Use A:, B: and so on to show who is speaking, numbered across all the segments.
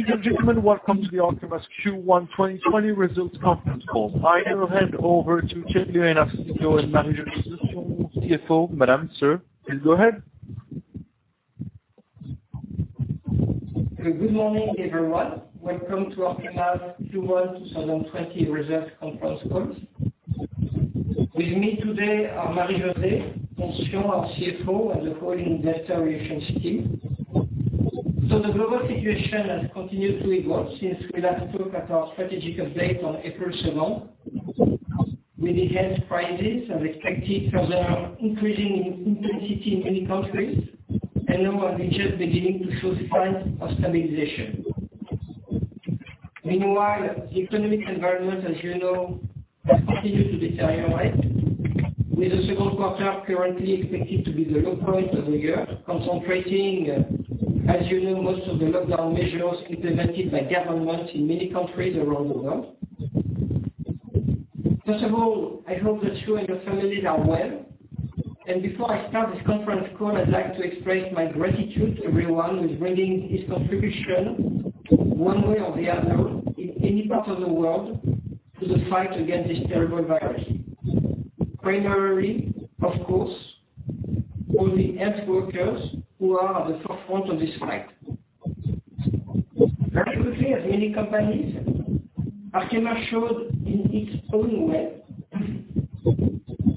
A: Ladies and gentlemen, welcome to the Arkema's Q1 2020 results conference call. I will hand over to Thierry Le Hénaff, CEO, and Marie-José Donsion, CFO. Madam, sir, please go ahead.
B: Good morning, everyone. Welcome to Arkema's Q1 2020 results conference call. With me today are Marie-José Donsion, our CFO, and the whole investor relations team. The global situation has continued to evolve since we last took at our strategic update on April 7th. With enhanced prices are expected to further increasing in intensity in many countries, and now we are just beginning to show signs of stabilization. Meanwhile, the economic environment, as you know, has continued to deteriorate, with the second quarter currently expected to be the low point of the year, concentrating, as you know, most of the lockdown measures implemented by governments in many countries around the world. First of all, I hope that you and your families are well, and before I start this conference call, I'd like to express my gratitude to everyone who is bringing his contribution one way or the other, in any part of the world, to the fight against this terrible virus. Primarily, of course, all the health workers who are at the forefront of this fight. Very quickly as many companies, Arkema showed in its own way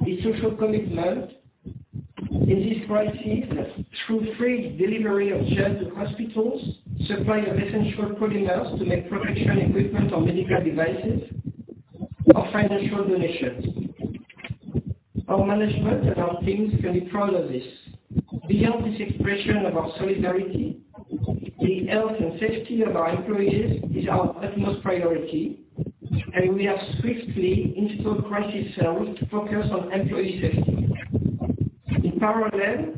B: its social commitment in this crisis through free delivery of gels to hospitals, supply of essential polymers to make protection equipment or medical devices, or financial donations. Our management and our teams can be proud of this. Beyond this expression of our solidarity, the health and safety of our employees is our utmost priority, and we have swiftly installed crisis cells to focus on employee safety. In parallel,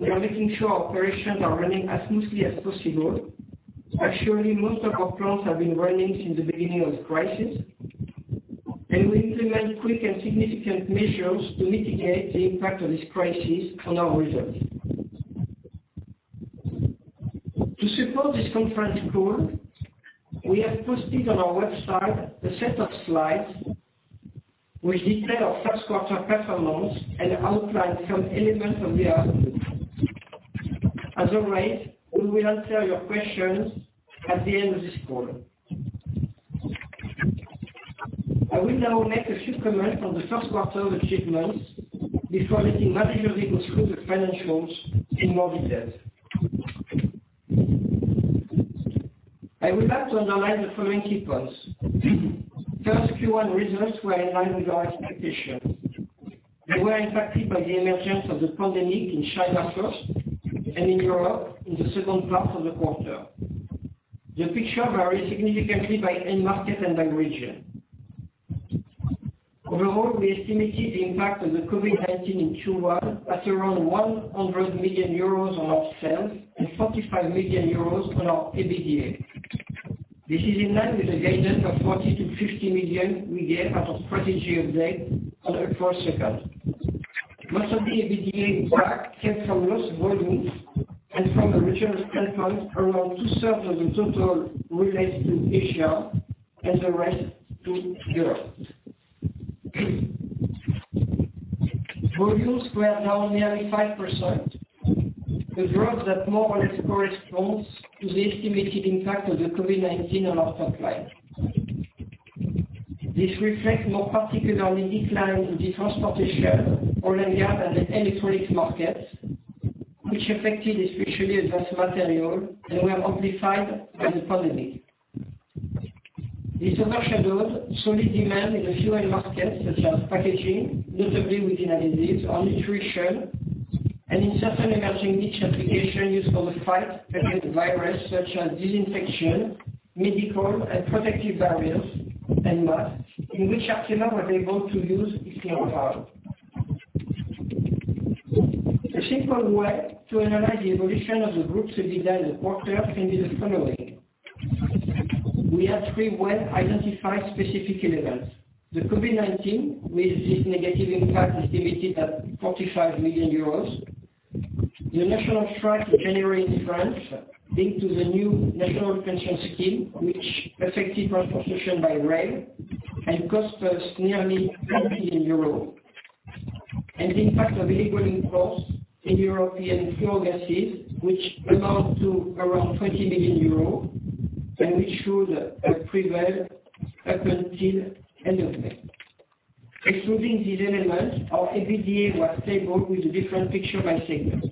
B: we are making sure our operations are running as smoothly as possible. Actually, most of our plants have been running since the beginning of the crisis. We implement quick and significant measures to mitigate the impact of this crisis on our results. To support this conference call, we have posted on our website a set of slides which detail our first quarter performance and outline some elements of the outlook. As always, we will answer your questions at the end of this call. I will now make a few comments on the first quarter achievements before letting Marie-José go through the financials in more detail. I would like to underline the following key points. First, Q1 results were in line with our expectations. They were impacted by the emergence of the pandemic in China first and in Europe in the second half of the quarter. The picture varied significantly by end market and by region. Overall, we estimated the impact of the COVID-19 in Q1 at around 100 million euros on our sales and 45 million euros on our EBITDA. This is in line with the guidance of 40 million-50 million we gave at our Strategy Update on April 2nd. Most of the EBITDA drop came from lost volumes and from a return of payments, around two-thirds of the total related to Asia and the rest to Europe. Volumes were down nearly 5%, a drop that more or less corresponds to the estimated impact of the COVID-19 on our top line. This reflects more particularly decline in the transportation, oil and gas, and electronics markets, which affected especially Advanced Materials and were amplified by the pandemic. These overshadowed solid demand in the few end markets such as packaging, notably within additives or nutrition, and in certain emerging niche applications used for the fight against the virus such as disinfection, medical and protective barriers, and masks, in which Arkema was able to use its know-how. A simple way to analyze the evolution of the group's EBITDA in the quarter can be the following. We have three well-identified specific events. The COVID-19, with its negative impact estimated at 45 million euros. The national strike in January in France linked to the new national pension scheme which affected transportation by rail and cost us nearly 20 million euros. The impact of illegal imports in European fluorogases, which amount to around 20 million euros, and which should prevail up until end of May. Excluding these elements, our EBITDA was stable with a different picture by segment.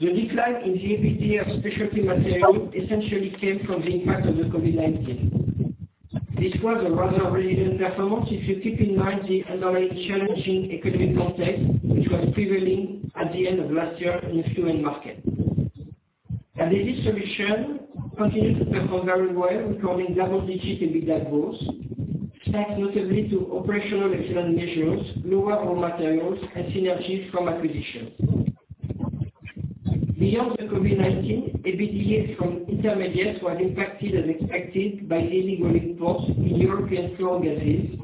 B: The decline in the EBITDA of Specialty Materials essentially came from the impact of the COVID-19. This was a rather resilient performance if you keep in mind the underlying challenging economic context which was prevailing at the end of last year in the fluid market. The Distribution continued to perform very well, recording double-digit EBITDA growth, thanks notably to operational excellent measures, lower raw materials, and synergies from acquisitions. Beyond the COVID-19, EBITDAs from Intermediates were impacted as expected by illegal imports in European fluorogases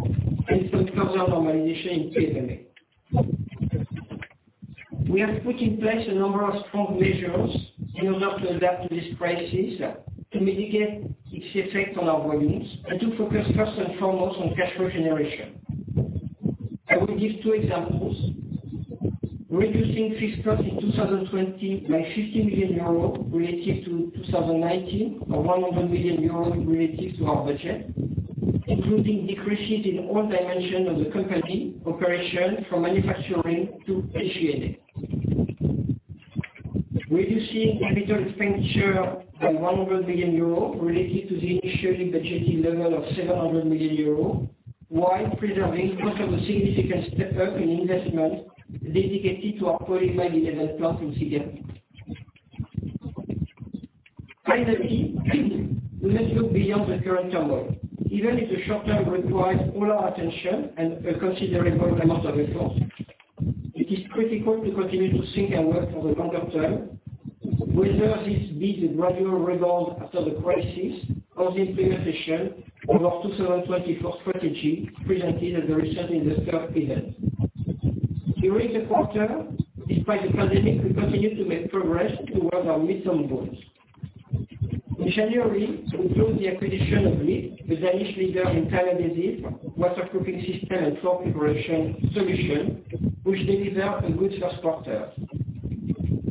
B: and some further normalization in PMMA. We have put in place a number of strong measures in order to adapt to this crisis, to mitigate its effect on our volumes, and to focus first and foremost on cash generation. I will give two examples. Reducing fixed cost in 2020 by 50 million euros relative to 2019, or 100 million euros relative to our budget, including decreases in all dimensions of the company operation, from manufacturing to G&A. Reducing capital expenditure by 100 million euros relative to the initially budgeted level of 700 million euros while preserving possible significant step up in investment dedicated to our polyamide 11 plant in Singapore. Finally, we must look beyond the current turmoil. Even if the short term requires all our attention and a considerable amount of effort, it is critical to continue to think and work for the longer term, whether this be the gradual rebound after the crisis or the implementation of our 2024 strategy presented at the recent Investor Event. During the quarter, despite the pandemic, we continued to make progress towards our midterm goals. In January, we closed the acquisition of LIP, the Danish leader in tile adhesive, waterproofing system, and floor preparation solution, which delivered a good first quarter.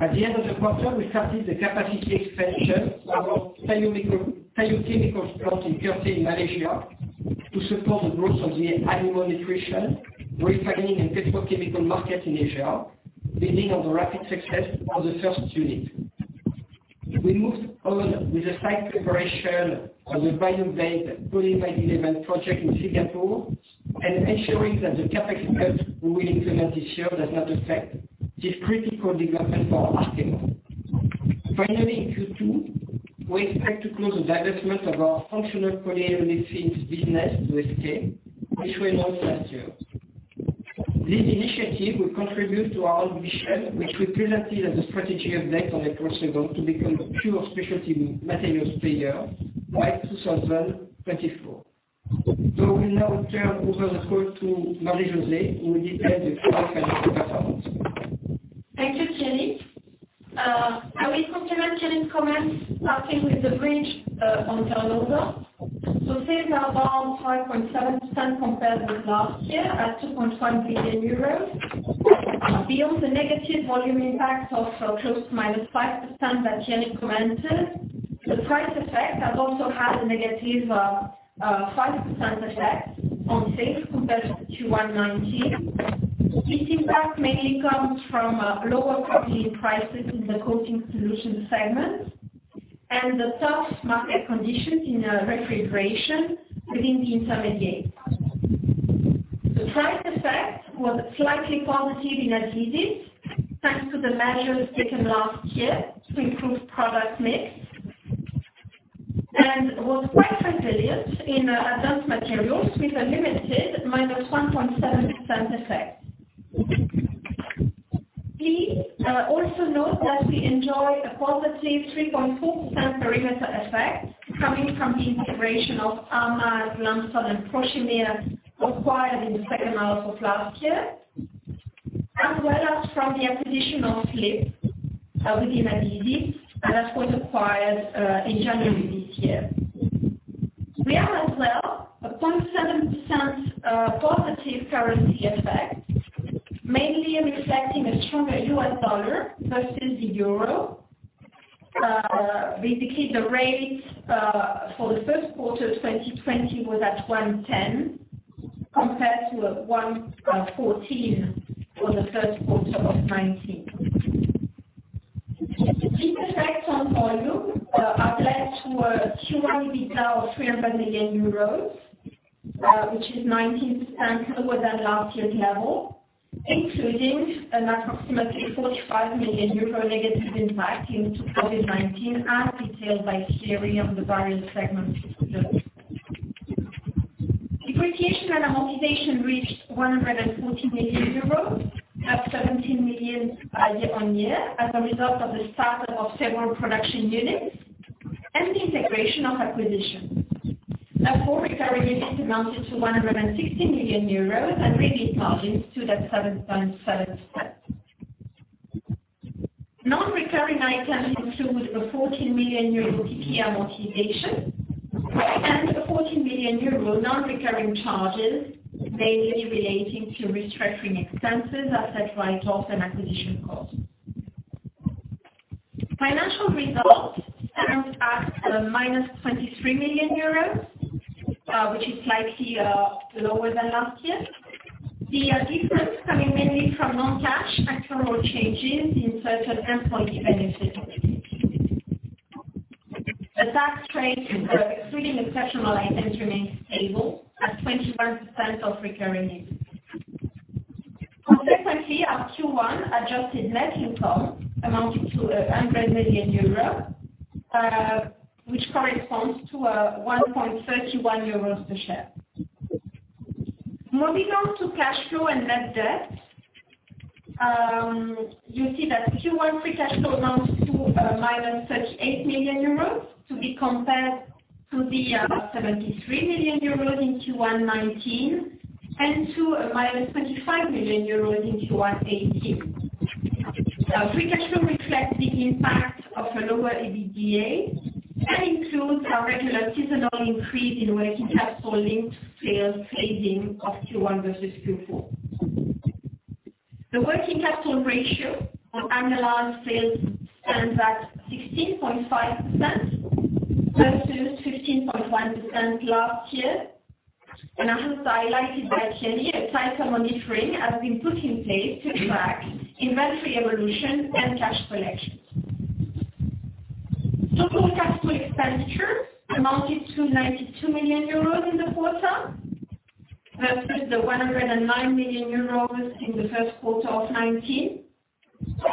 B: At the end of the quarter, we started the capacity expansion of our bio chemicals plant in Kertih, Malaysia, to support the growth of the animal nutrition, refining, and petrochemical market in Asia, building on the rapid success of the first unit. We moved on with the site preparation of the bio-based polyamide 11 project in Singapore and ensuring that the CapEx cut we will implement this year does not affect this critical development for Arkema. Finally, Q2, we expect to close the divestment of our Functional Polyolefins business to SK, which we announced last year. This initiative will contribute to our ambition, which we presented at the Strategy Update on April 2nd, to become a pure player in Specialty Materials by 2024. I will now turn over the call to Marie-José, who will detail the financial performance.
C: Thank you, Thierry. I will complement Thierry’s comments, starting with the bridge on turnover. Sales are down 5.7% compared with last year at 2.5 billion euros. Beyond the negative volume impact of close to -5% that Thierry commented, the price effect has also had a negative 5% effect on sales compared to Q1 2019. This impact mainly comes from lower propylene prices in the Coating Solutions segment and the tough market conditions in refrigeration within the Intermediates. The price effect was slightly positive in Adhesives thanks to the measures taken last year to improve product mix, and was quite resilient in Advanced Materials with a limited -1.7% effect. Please also note that we enjoy a positive 3.4% perimeter effect coming from the integration of ArrMaz, Lambson, and Prochimir acquired in the second half of last year, as well as from the acquisition of LIP within adhesives, and that was acquired in January this year. We have as well a 0.7% positive currency effect, mainly reflecting a stronger U.S. dollar versus the EUR. Basically, the rate for the first quarter of 2020 was at 110 compared to 114 for the first quarter of 2019. These effects on volume have led to a Q1 EBITDA of 300 million euros, which is 19% lower than last year's level, including an approximately 45 million euro negative impact due to COVID-19, as detailed by Thierry on the various segments. Depreciation and amortization reached 114 million euros, up 17 million year-over-year as a result of the startup of several production units and the integration of acquisitions. Our core recurring earnings amounted to 160 million euros and release margins stood at 7.7%. Non-recurring items include a 14 million euro PPA amortization and a 14 million euro non-recurring charges, mainly relating to restructuring expenses, asset write-offs, and acquisition costs. Financial results stand at a -23 million euros, which is slightly lower than last year. The difference coming mainly from non-cash actuarial changes in certain employee benefit plans. The tax rate, including exceptional items, remains stable at 21% of recurring income. Consequently, our Q1 adjusted net income amounted to 100 million euros, which corresponds to 1.31 euros per share. Moving on to cash flow and net debt. Q1 free cash flow amounts to a -38 million euros, to be compared to the 73 million euros in Q1 2019, and to a -25 million euros in Q1 2018. Free cash flow reflects the impact of a lower EBITDA and includes our regular seasonal increase in working capital linked sales phasing of Q1 versus Q4. The working capital ratio on annualized sales stands at 16.5% versus 15.1% last year. As highlighted by Thierry, a tighter monitoring has been put in place to track inventory evolution and cash collections. Total capital expenditure amounted to 92 million euros in the quarter versus the 109 million euros in the first quarter of 2019.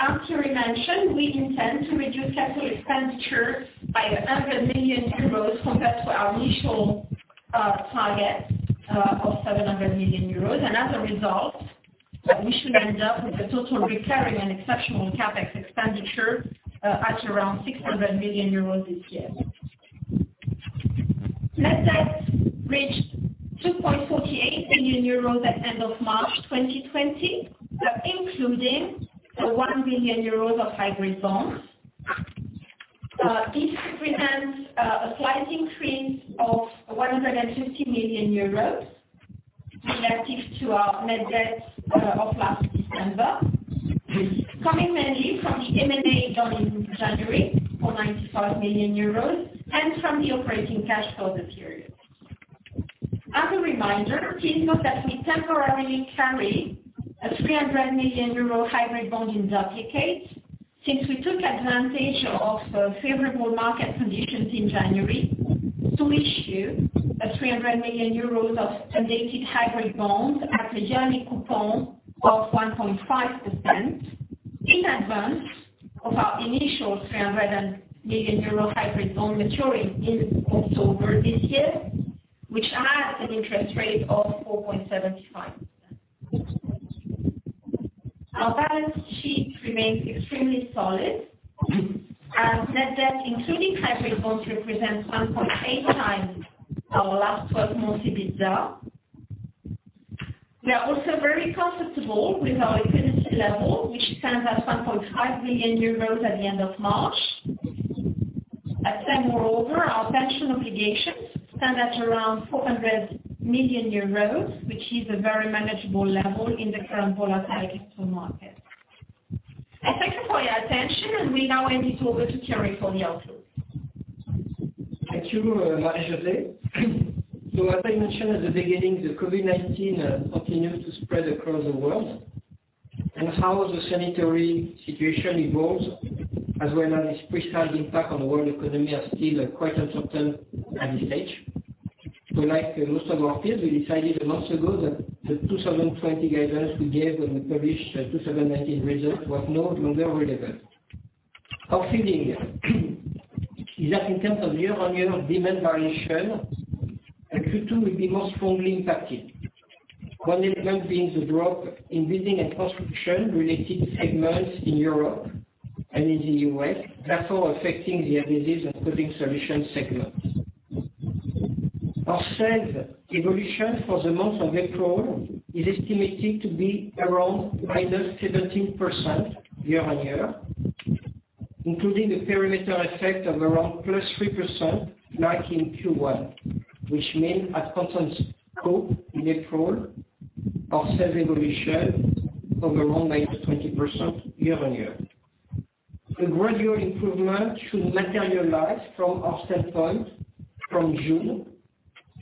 C: As Thierry mentioned, we intend to reduce capital expenditure by 100 million euros compared to our initial target of 700 million euros. As a result, we should end up with a total recurring and exceptional CapEx expenditure at around 600 million euros this year. Net debt reached 2.48 billion euros at end of March 2020, including the 1 billion euros of hybrid bonds. This represents a slight increase of 150 million euros relative to our net debt of last December, coming mainly from the M&A done in January for 95 million euros and from the operating cash flow of the period. As a reminder, please note that we temporarily carry a 300 million euro hybrid bond in duplicates since we took advantage of favorable market conditions in January to issue a 300 million euros of syndicated hybrid bonds at a yearly coupon of 1.5% in advance of our initial 300 million euro hybrid bond maturing in October this year, which has an interest rate of 4.75%. Our balance sheet remains extremely solid. Our net debt, including hybrid bonds, represents 1.8x our last 12-month EBITDA. We are also very comfortable with our liquidity level, which stands at 1.5 billion euros at the end of March. Moreover, our pension obligations stand at around 400 million euros, which is a very manageable level in the current volatile capital market. I thank you for your attention, and we now hand it over to Thierry for the outlook.
B: Thank you, Marie-José. As I mentioned at the beginning, the COVID-19 continues to spread across the world, and how the sanitary situation evolves, as well as its precise impact on the world economy, are still quite uncertain at this stage. Like most of our peers, we decided months ago that the 2020 guidance we gave when we published the 2019 results was no longer relevant. Our feeling is that in terms of year-on-year demand variation, Q2 will be most strongly impacted. One element being the drop in building and construction-related segments in Europe and in the U.S., therefore affecting the Adhesive Solutions and Coating Solutions segment. Our sales evolution for the month of April is estimated to be around -17% year-on-year, including the perimeter effect of around +3%, like in Q1, which means at constant scope in April, our sales evolution of around -20% year-on-year. A gradual improvement should materialize from our sales point from June,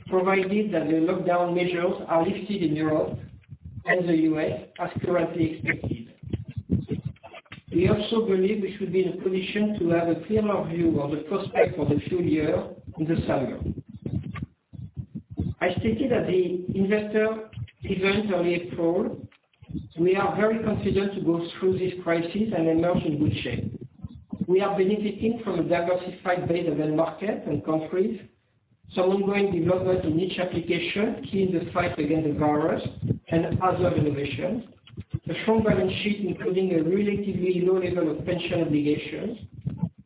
B: provided that the lockdown measures are lifted in Europe and the U.S. as currently expected. We also believe we should be in a position to have a clearer view of the prospect for the full year in the summer. I stated at the Investor Event early April, we are very confident to go through this crisis and emerge in good shape. We are benefiting from a diversified base of end markets and countries, some ongoing developments in each application, key in the fight against the virus and other innovations, a strong balance sheet, including a relatively low level of pension obligations,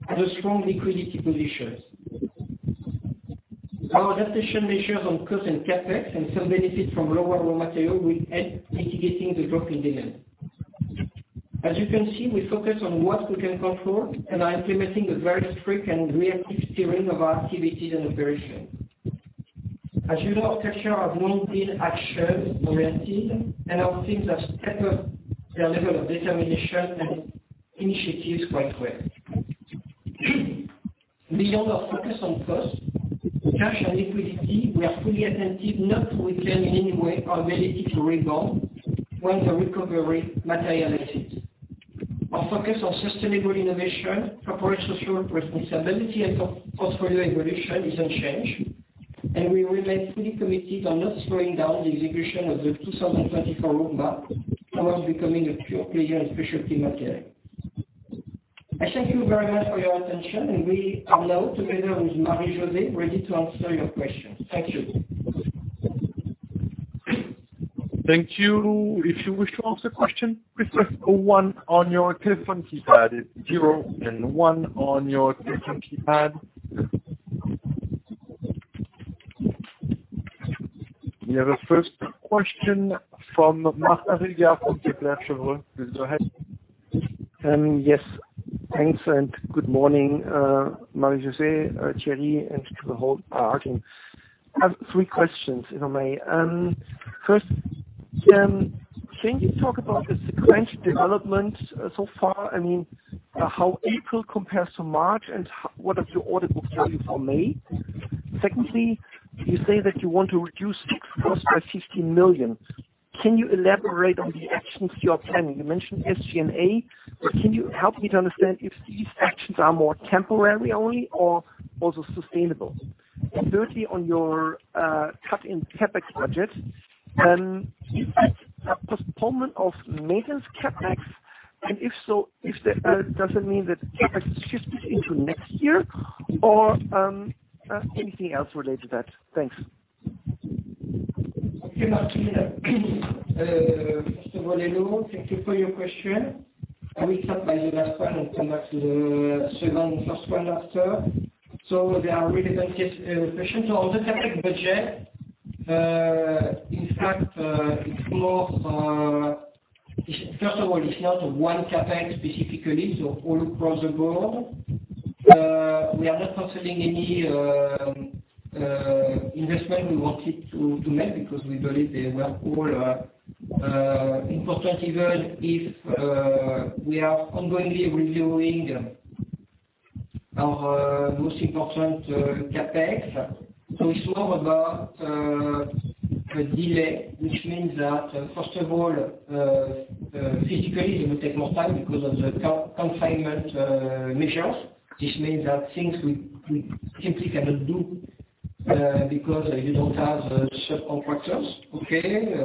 B: and a strong liquidity position. Our adaptation measures on costs and CapEx and some benefit from lower raw material will help mitigating the drop in demand. As you can see, we focus on what we can control and are implementing a very strict and reactive steering of our activities and operations. As you know, Arkema are long been action-oriented, and our teams have stepped up their level of determination and initiatives quite well. Beyond our focus on cost, cash, and liquidity, we are fully attentive not to weaken in any way our ability to rebound once a recovery materializes. Our focus on sustainable innovation, corporate social responsibility, and portfolio evolution is unchanged, and we remain fully committed on not slowing down the execution of the 2024 roadmap towards becoming a Pure Player in Specialty Materials. I thank you very much for your attention, and we are now, together with Marie-José, ready to answer your questions. Thank you.
A: Thank you. If you wish to ask a question, press one on your telephone keypad. Zero and one on your telephone keypad. We have a first question from Martin Rödiger from Kepler Cheuvreux. Please go ahead.
D: Yes. Thanks, and good morning, Marie-José, Thierry Le Hénaff, and to the whole Arkema. I have three questions, if I may. First, can you talk about the sequential development so far? How April compares to March, and what is your order book value for May? Secondly, you say that you want to reduce fixed cost by 50 million. Can you elaborate on the actions you are planning? You mentioned SG&A, but can you help me to understand if these actions are more temporary only or also sustainable? Thirdly, on your cut in CapEx budget, is that a postponement of maintenance CapEx, and if so, does it mean that CapEx is shifted into next year or anything else related to that? Thanks.
B: Okay, Martin. First of all, hello. Thank you for your question. I will start by the last one and come back to the second and first one after. They are really interesting questions. On the CapEx budget. First of all, it's not one CapEx specifically, all across the board. We are not considering any investment we wanted to make because we believe they were all important, even if we are ongoingly reviewing our most important CapEx. It's more about a delay, which means that, first of all, physically, it will take more time because of the confinement measures. This means that things we simply cannot do because you don't have subcontractors. Okay.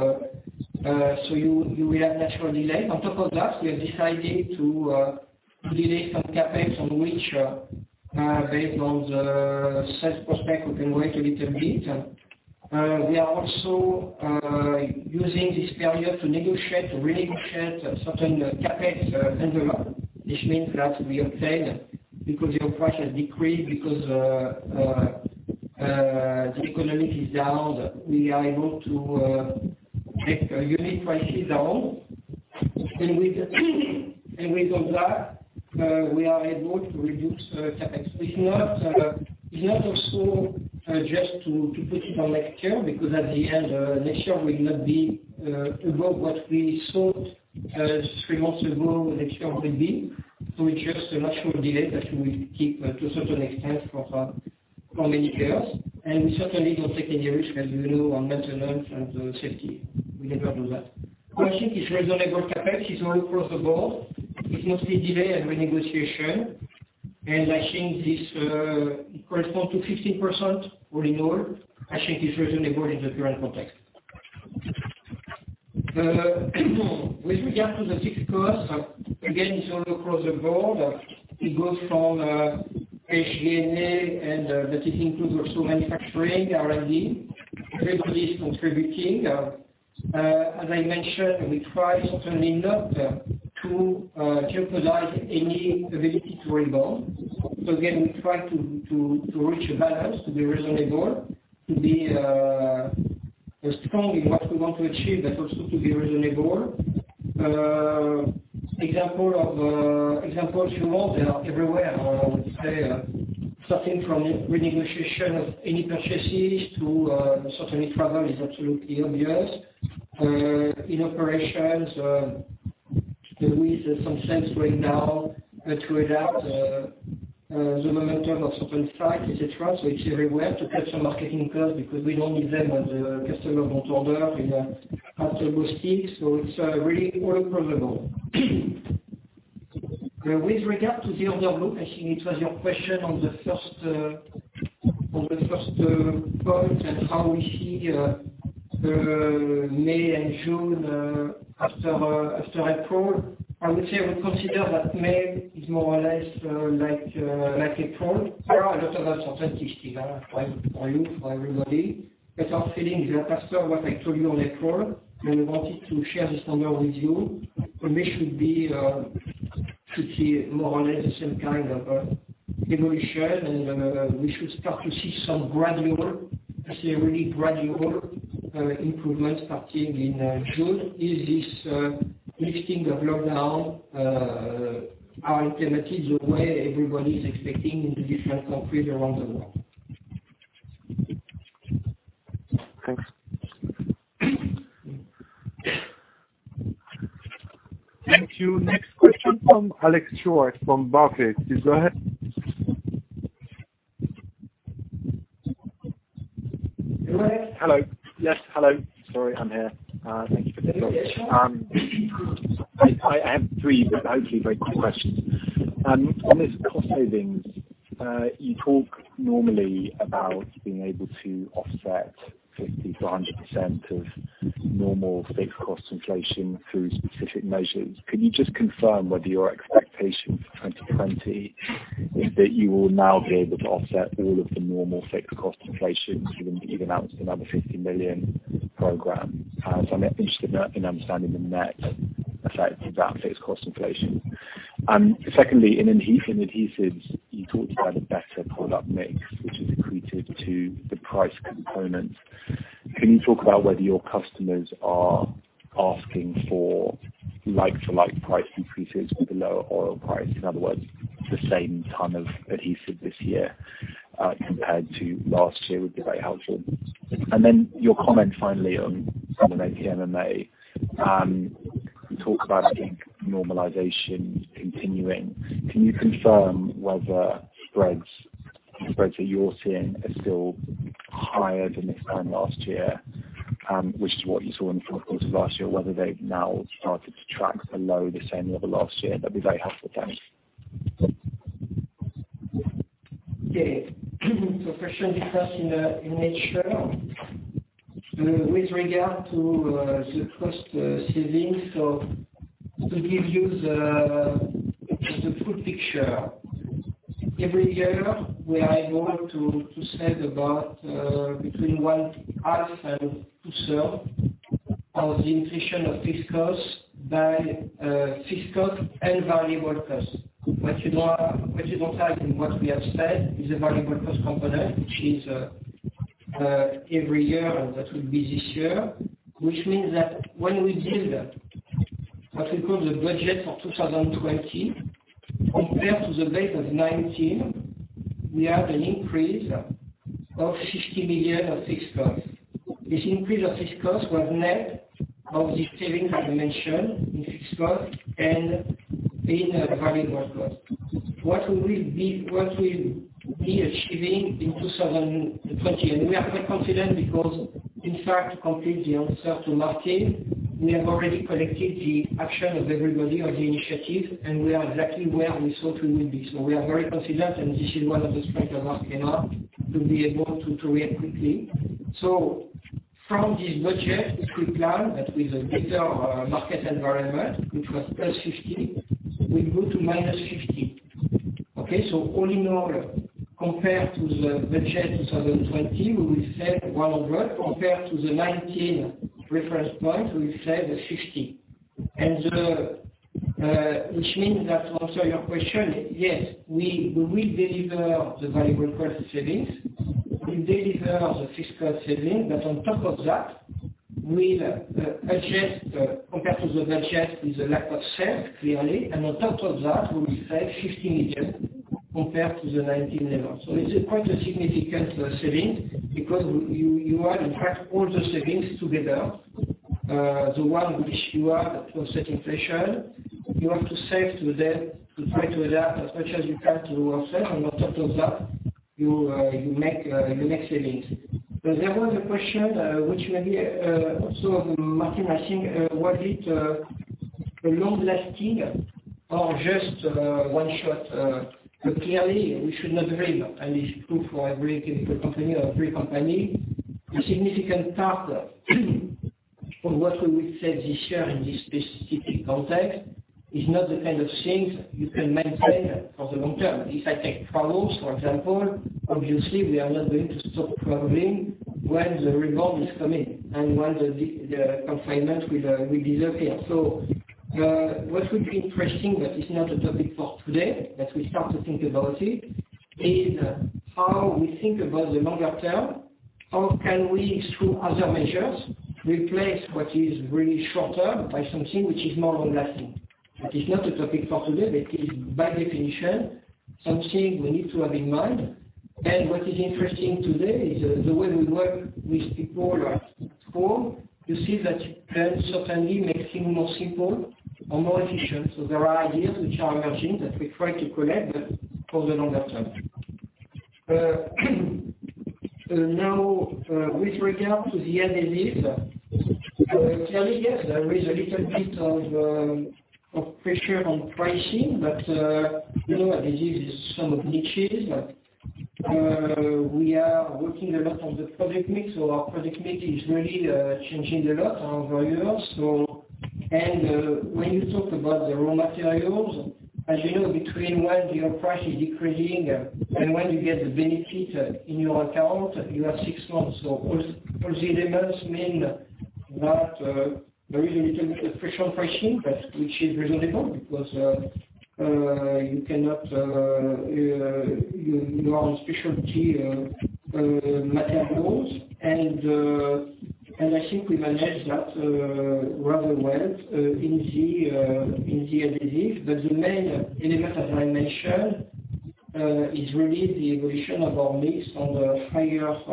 B: You will have natural delay. On top of that, we are deciding to delay some CapEx on which, based on the sales prospect, we can wait a little bit. We are also using this period to negotiate, to renegotiate certain CapEx envelope, which means that we obtain, because your price has decreased, because the economy is down, we are able to take unit prices down. With that, we are able to reduce CapEx. It's not also just to put it on next year, because at the end, next year will not be above what we thought three months ago next year will be. It's just a natural delay that we keep to a certain extent for many players, and we certainly don't take any risk, as you know, on maintenance and safety. We never do that. I think it's reasonable CapEx. It's all across the board. It's mostly delay and renegotiation, I think this corresponds to 15% or more. I think it's reasonable in the current context. With regard to the fixed cost, again, it's all across the board. It goes from SG&A, it includes also manufacturing, R&D. Everybody is contributing. As I mentioned, we try certainly not to jeopardize any ability to rebound. Again, we try to reach a balance, to be reasonable, to be strong in what we want to achieve, but also to be reasonable. Examples you want, they are everywhere. I would say starting from renegotiation of any purchases to certainly travel is absolutely obvious. In operations, with some sales going down, to adapt the momentum of certain sites, et cetera. It's everywhere to cut some marketing costs because we don't need them as the customer don't order at the most peak. It's really all across the board. With regard to the outlook, I think it was your question on the first point and how we see May and June after April. I would say I would consider that May is more or less like April. There are a lot of uncertainties still for you, for everybody. Our feeling is that after what I told you on April, we wanted to share this number with you, and we should be pretty more or less the same kind of evolution, and we should start to see some gradual, I say really gradual improvement starting in June. Is this lifting of lockdown alternatively the way everybody is expecting in the different countries around the world?
D: Thanks.
A: Thank you. Next question from Alex Stewart from Barclays. Please go ahead.
E: Hello. Yes, hello. Sorry, I'm here. Thank you for taking the call. I have three hopefully very quick questions. On this cost savings, you talk normally about being able to offset 50%-100% of normal fixed cost inflation through specific measures. Can you just confirm whether your expectation for 2020 is that you will now be able to offset all of the normal fixed cost inflation given that you've announced another 50 million program? I'm interested in understanding the net effect of that fixed cost inflation. Secondly, in adhesives, you talked about a better product mix, which is accretive to the price components. Can you talk about whether your customers are asking for like-for-like price increases with the lower oil price? In other words, the same ton of adhesive this year compared to last year would be very helpful. Your comment finally on MMA. You talked about I think normalization continuing. Can you confirm whether spreads that you're seeing are still higher than this time last year, which is what you saw in the fourth quarter of last year, whether they've now started to track below the same level last year? That would be very helpful. Thanks.
B: First one discussed in nature. With regard to the cost savings, to give you the full picture, every year we are able to save about between one half and two-thirds of the inflation of fixed cost by fixed cost and variable cost. What you don't have in what we have said is a variable cost component, which is every year, and that will be this year, which means that when we build what we call the budget for 2020, compared to the base of 2019, we have an increase of 60 million of fixed cost. This increase of fixed cost was net of the savings, as I mentioned, in fixed cost and in variable cost. What we'll be achieving in 2020, and we are quite confident because, in fact, to complete the answer to Martin, we have already collected the action of everybody on the initiative, and we are exactly where we thought we would be. We are very confident, and this is one of the strength of Arkema to be able to react quickly. From this budget, if we plan that with a better market environment, which was +50, we go to -50. Okay, all in all, compared to the budget 2020, we will save 100 compared to the 2019 reference point, we save 50. Which means that to answer your question, yes, we will deliver the variable cost savings. We deliver the fixed cost savings. On top of that, we'll adjust compared to the budget with a lack of sales, clearly, and on top of that, we will save 50 million compared to the 2019 level. It's quite a significant saving because you add in fact all the savings together. The one which you add to offset inflation, you have to save to try to adapt as much as you can to offset, and on top of that, you make savings. There was a question which maybe also Martin asking, was it long lasting or just one shot? Clearly, we should not dream, and it's true for every chemical company or every company. A significant part of what we will save this year in this specific context is not the kind of things you can maintain for the long term. If I take travels, for example, obviously, we are not going to stop traveling when the rebound is coming and when the confinement will disappear. What would be interesting, but it's not a topic for today, but we start to think about it, is how we think about the longer term. How can we, through other measures, replace what is really short term by something which is more long-lasting? That is not a topic for today, but it is by definition something we need to have in mind. What is interesting today is the way we work with people at home, you see that it can certainly make things more simple or more efficient. There are ideas which are emerging that we try to collect but for the longer term. With regard to the adhesives, clearly yes, there is a little bit of pressure on pricing, but adhesives is some niches, but we are working a lot on the product mix. Our product mix is really changing a lot on volume. When you talk about the raw materials, as you know, between when your price is decreasing and when you get the benefit in your account, you have six months. All the elements mean that there is a little bit of pressure on pricing, but which is reasonable because you are on Specialty Materials, and I think we managed that rather well in the Adhesive Solutions. The main element, as I mentioned, is really the evolution of our mix on the higher-priced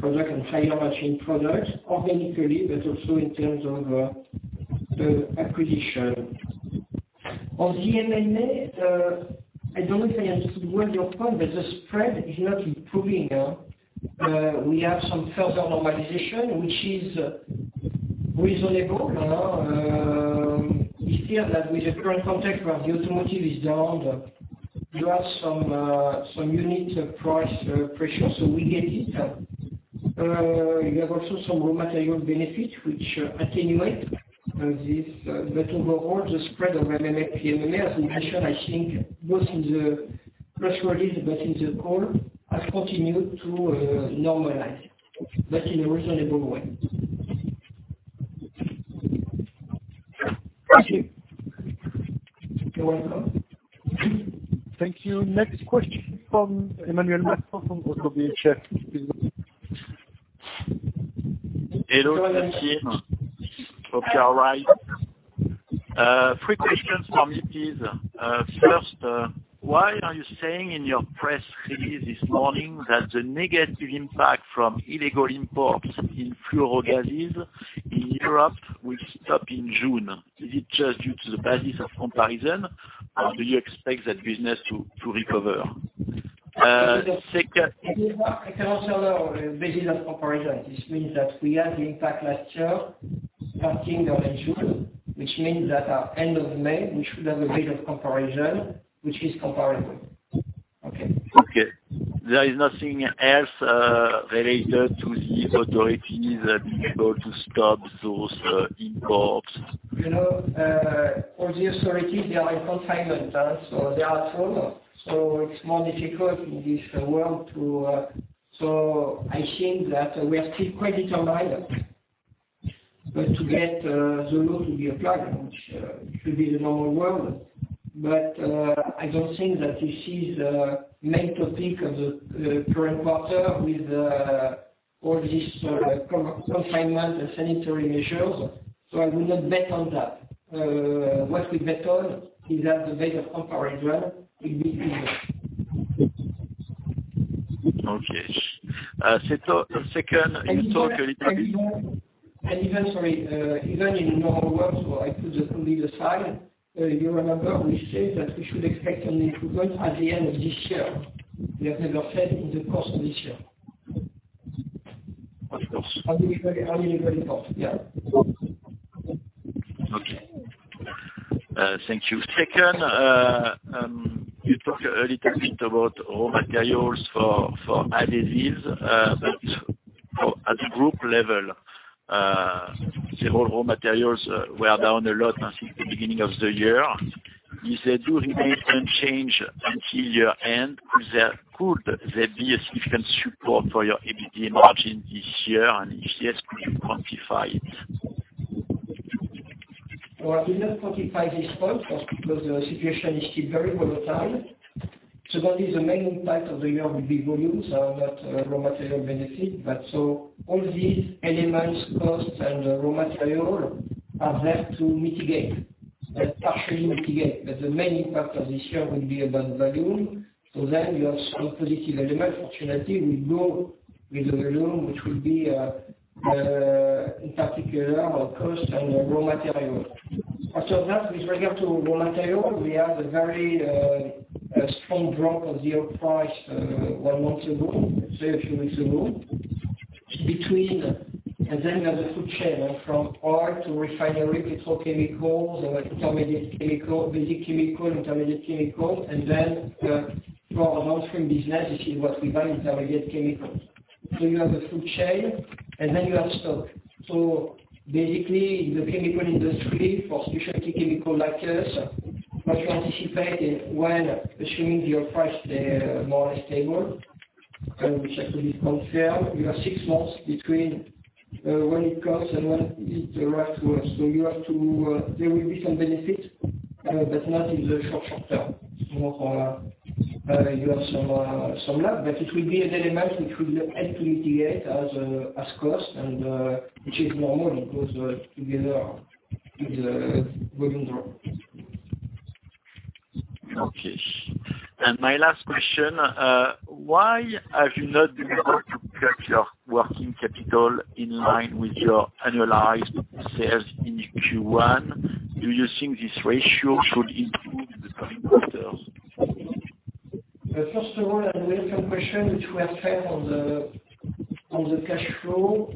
B: product and higher-margin products organically, but also in terms of the acquisition. On the MMA, I don't know if I understood well your point, but the spread is not improving. We have some further normalization, which is reasonable. We feel that with the current context where the automotive is down, you have some unit price pressure, we get it. We have also some raw material benefit which attenuate this. Overall, the spread of MMA, PMMA, as mentioned, I think both in the press release but in the call, has continued to normalize, but in a reasonable way.
E: Thank you.
B: You're welcome.
A: Thank you. Next question from Emmanuel Matot from ODDO BHF.
F: Hello, Thierry. Hope you are right. Three questions from me, please. First, why are you saying in your press release this morning that the negative impact from illegal imports in fluorogases in Europe will stop in June? Is it just due to the basis of comparison, or do you expect that business to recover?
B: It is also the basis of comparison. This means that we had the impact last year starting around June, which means that at end of May, we should have a rate of comparison which is comparable. Okay.
F: Okay. There is nothing else related to the authorities being able to stop those imports?
B: All the authorities, they are in confinement, so they are at home. It's more difficult. I think that we are still quite determined to get the law to be applied, which should be the normal world. I don't think that this is a main topic of the current quarter with all this confinement and sanitary measures. I would not bet on that. What we bet on is that the rate of comparison will be similar.
F: Okay. Second, you talk a little bit-
B: Even, sorry. Even in normal world, I put the COVID-19 aside, you remember we said that we should expect an improvement at the end of this year. We have never said in the course of this year.
F: Of course.
B: On the recovery cost, yeah.
F: Okay. Thank you. You talk a little bit about raw materials for additives, but at group level, several raw materials were down a lot since the beginning of the year. If they do remain unchanged until year-end, could there be a significant support for your EBITDA margin this year? If yes, could you quantify it?
B: Well, I cannot quantify this point just because the situation is still very volatile. That is the main impact of the year will be volumes, not raw material benefit. All these elements, costs, and raw material are there to mitigate. That's partially mitigate. The main impact of this year will be about volume. You have some positive elements. Fortunately, we go with the volume, which will be, in particular, our cost and raw material. After that, with regard to raw material, we have a very strong drop of the oil price one month ago, say a few weeks ago. You have the food chain from oil to refinery, petrochemicals, or intermediate chemical, basic chemical, intermediate chemical, and then for our downstream business, this is what we buy, intermediate chemicals. You have a food chain, and then you have stock. Basically, the chemical industry for specialty chemical like us, what you anticipate is when assuming the oil price, they're more stable, which actually is confirmed. You have six months between when it comes and when it arrives to us. There will be some benefit, but not in the short-term. You have some luck, but it will be an element which will help to mitigate as cost and which is normal. It goes together with the volume drop.
F: Okay. My last question, why have you not been able to get your working capital in line with your annualized sales in Q1? Do you think this ratio should improve in the coming quarters?
B: First of all, a very fair question, which were fair on the cash flow.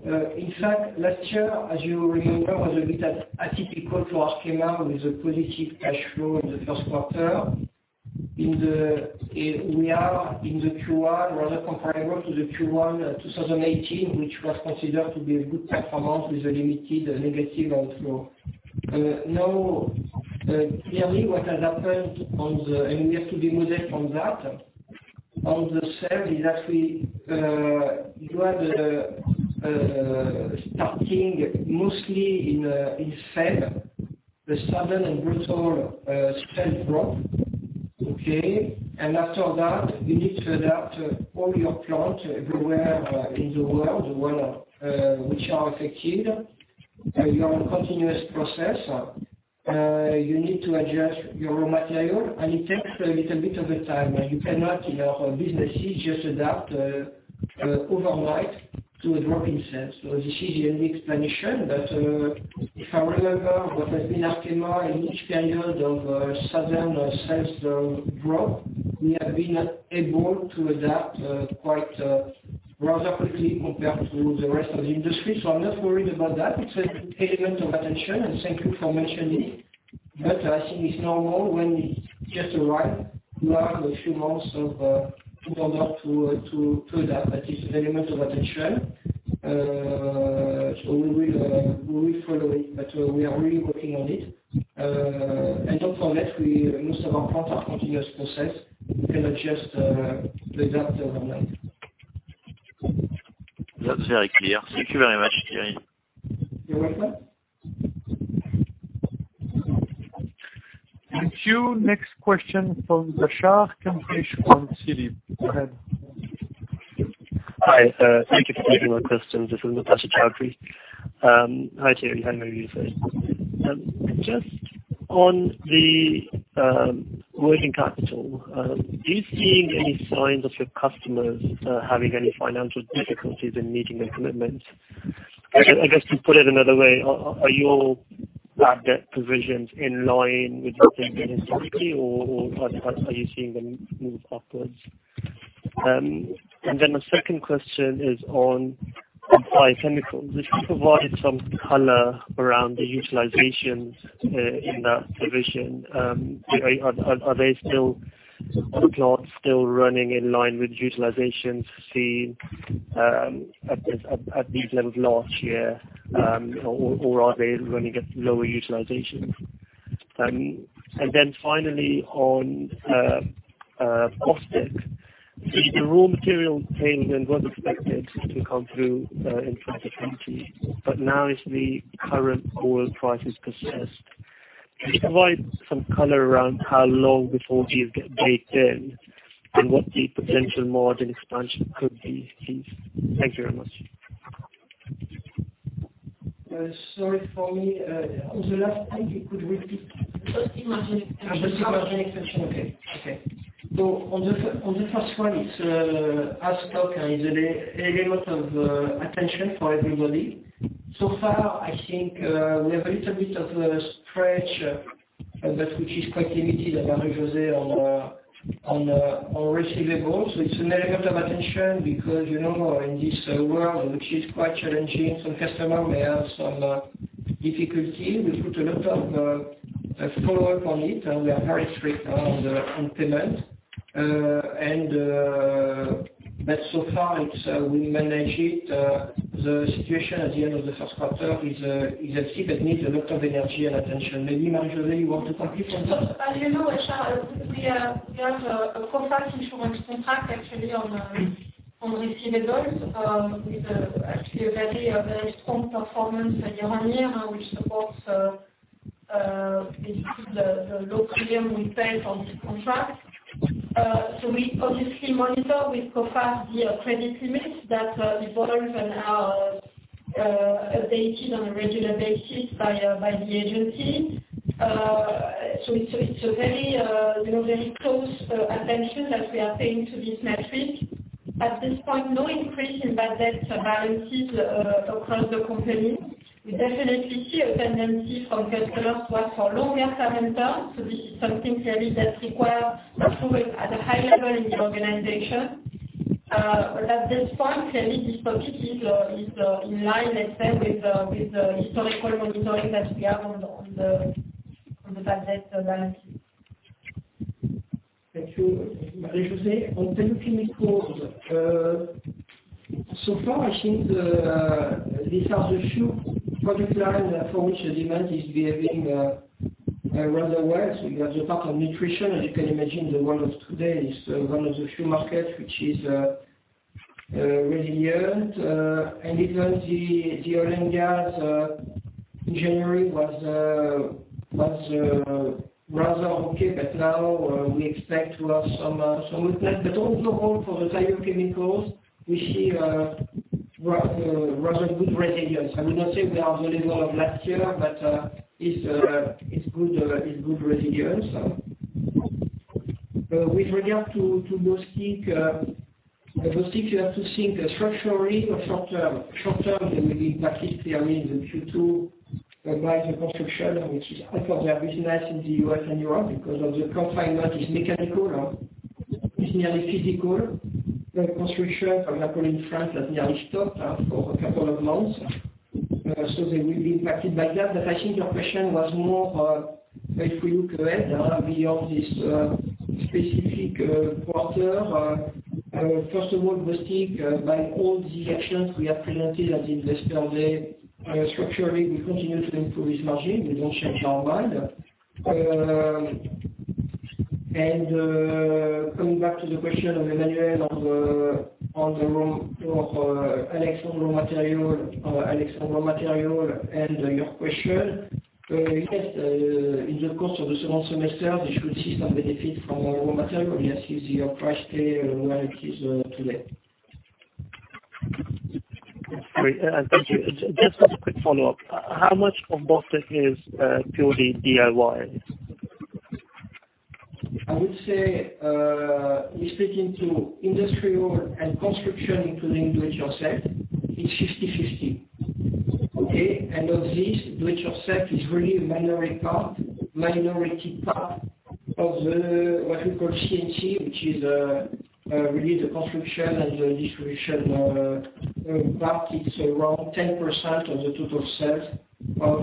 B: Last year, as you remember, was a bit atypical for Arkema with a positive cash flow in the first quarter. We are in the Q1, rather comparable to the Q1 2018, which was considered to be a good performance with a limited negative outflow. Clearly, what has happened And we have to be modest on that, on the sales is actually, you had starting mostly in February, the sudden and brutal spend drop. Okay. After that, you need to adapt all your plants everywhere in the world, the one which are affected. You are on a continuous process. You need to adjust your raw material, and it takes a little bit of time. Businesses just adapt overnight to a drop in sales. This is an explanation, but if I remember what has been Arkema in each period of sudden sales drop, we have been able to adapt quite rapidly compared to the rest of the industry. I'm not worried about that. It's an element of attention, and thank you for mentioning it. I think it's normal when we just arrive, we have a few months to adapt. It's an element of attention. We will follow it, but we are really working on it. Don't forget, most of our plants are continuous process. We cannot just adapt overnight.
F: That's very clear. Thank you very much, Thierry.
B: You're welcome.
A: Thank you. Next question from Mubasher Chaudhry from Citi. Go ahead.
G: Hi, thank you for taking my questions. This is Mubasher Chaudhry. Hi, Thierry. Hi, Marie-José. Just on the working capital, are you seeing any signs of your customers having any financial difficulties in meeting their commitments? I guess to put it another way, are your bad debt provisions in line with your thinking historically, or are you seeing them move upwards? The second question is on chemicals. You provided some color around the utilizations, in that provision. Are the plants still running in line with utilizations seen at these levels last year? Or are they running at lower utilization? Finally on Bostik. The raw material savings was expected to come through in 2020. Now as the current oil prices persist, could you provide some color around how long before these get baked in, and what the potential margin expansion could be, please? Thank you very much.
B: Sorry for me. On the last point, could you repeat?
C: Margin expansion.
B: Margin expansion. Okay. On the first one, it's as talked, is an element of attention for everybody. Far, I think, we have a little bit of a stretch, but which is quite limited, Marie-José, on receivables. It's an element of attention because, in this world, which is quite challenging, some customers may have some difficulty. We put a lot of follow-up on it, and we are very strict on payment. So far, we manage it. The situation at the end of the first quarter is that it needs a lot of energy and attention. Maybe, Marie-José, you want to complete on that?
C: As you know, Mubasher, we have a Coface insurance contract actually on receivables, with actually a very strong performance year-over-year, which supports basically the low premium we pay for this contract. We obviously monitor with Coface the credit limits that evolve and are updated on a regular basis by the agency. It's a very close attention that we are paying to this metric. At this point, no increase in bad debt variances across the company. We definitely see a tendency from customers to ask for longer payment terms. This is something, Thierry, that requires vigilance at a high level in the organization. At this point, Thierry, this topic is in line, let's say, with the historical monitoring that we have on the bad debt balances.
B: Thank you, Marie-José. On chemicals, so far, I think these are the few product lines for which the demand is behaving rather well. You have the part of nutrition. As you can imagine, the world of today is one of the few markets which is resilient. Even the oil and gas in January was rather okay, but now we expect to have some weakness. Overall for the chemicals, we see rather good resilience. I would not say we are at the level of last year, but it's good resilience. With regard to Bostik, you have to think structurally or short term. Short term, they will be impacted, I mean, the Q2, by the construction, which is half of their business in the U.S. and Europe because of the constraint that is mechanical or is merely physical. The construction, for example, in France, has nearly stopped for a couple of months, so they will be impacted by that. I think your question was more if we look ahead beyond this specific quarter. First of all, Bostik, by all the actions we have presented at the Investor Day, structurally, we continue to improve this margin. We don't change our mind. Coming back to the question of Emmanuel on Alex raw material and your question, yes, in the course of the second semester, we should see some benefit from raw material. Yes, easier price pay where it is today.
G: Great. Thank you. Just a quick follow-up. How much of Bostik is purely DIY?
B: I would say, we speak into industrial and construction, including do-it-yourself. It's 50-50. Okay. Of this, do-it-yourself is really a minority part of what we call CNC, which is really the construction and the Distribution part. It's around 10% of the total sales of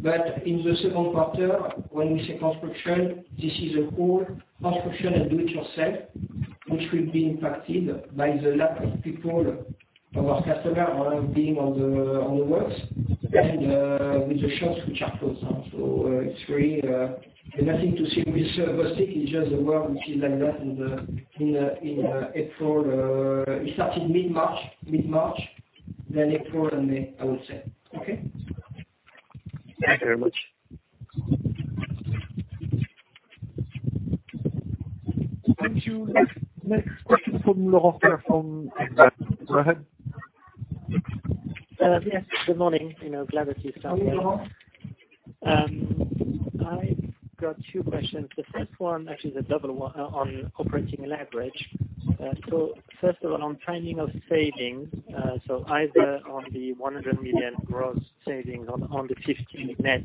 B: Bostik. In the second quarter, when we say construction, this is a whole construction and do-it-yourself, which will be impacted by the lack of people, our customer, one being on the works and with the shops which are closed down. It's really nothing to see with Bostik. It's just the world which is like that in April. It started mid-March, then April and May, I would say. Okay?
G: Thank you very much.
A: Thank you. Next question from Laurent Favre from Exane BNP Paribas. Go ahead.
H: Yes. Good morning. Glad that you started.
B: Good morning, Laurent.
H: I've got two questions. The first one, actually it's a double one on operating leverage. First of all, on timing of savings, either on the 100 million gross savings/ on the 50 million net.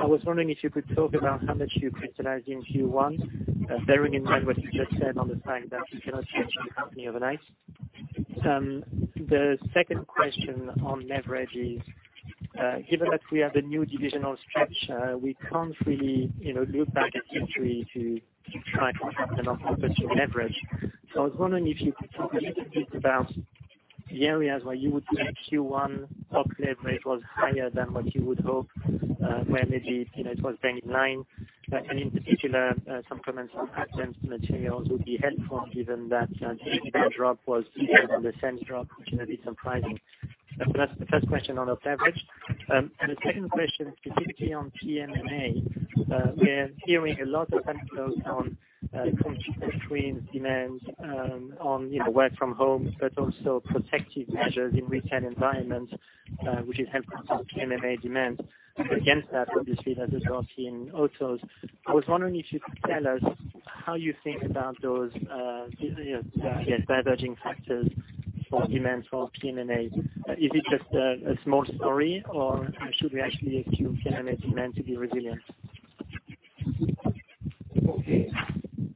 H: I was wondering if you could talk about how much you crystallize in Q1, bearing in mind what you just said on the fact that you cannot change a company overnight. The second question on leverage is, given that we have a new divisional structure, we can't really look back at history to try to have an operational leverage. I was wondering if you could talk a little bit about the areas where you would think Q1 op leverage was higher than what you would hope, where maybe it was bang in line. In particular, some comments on Advanced Materials would be helpful given that the EBITDA drop was even on the same drop, which may be surprising. That's the first question on op leverage. The second question, specifically on PMMA, we are hearing a lot of anecdotes on country between demands on work from home, but also protective measures in retail environments, which is helping PMMA demand. Against that, obviously, that is also in autos. I was wondering if you could tell us how you think about those diverging factors for demand for PMMA. Is it just a small story, or should we actually assume PMMA demand to be resilient?
B: Okay.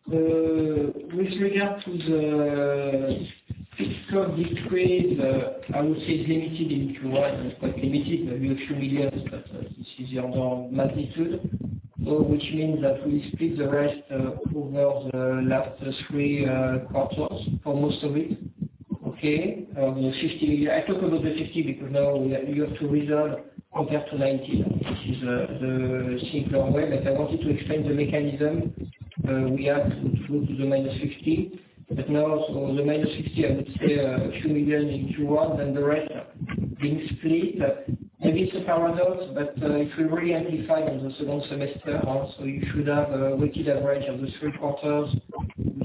B: With regard to the fiscal decrease, I would say it's limited in Q1. It's quite limited, maybe EUR a few millions, but this is the order of magnitude. We split the rest over the last three quarters for most of it, okay? I talk about 50 because now you have to reserve compared to 2019. This is the simpler way. I wanted to explain the mechanism. We add through to minus 50. The minus 60, I would say EUR a few million in Q1, then the rest being split. Maybe it's a paradox. If we re-amplify in the second semester also, you should have a weighted average of the three quarters,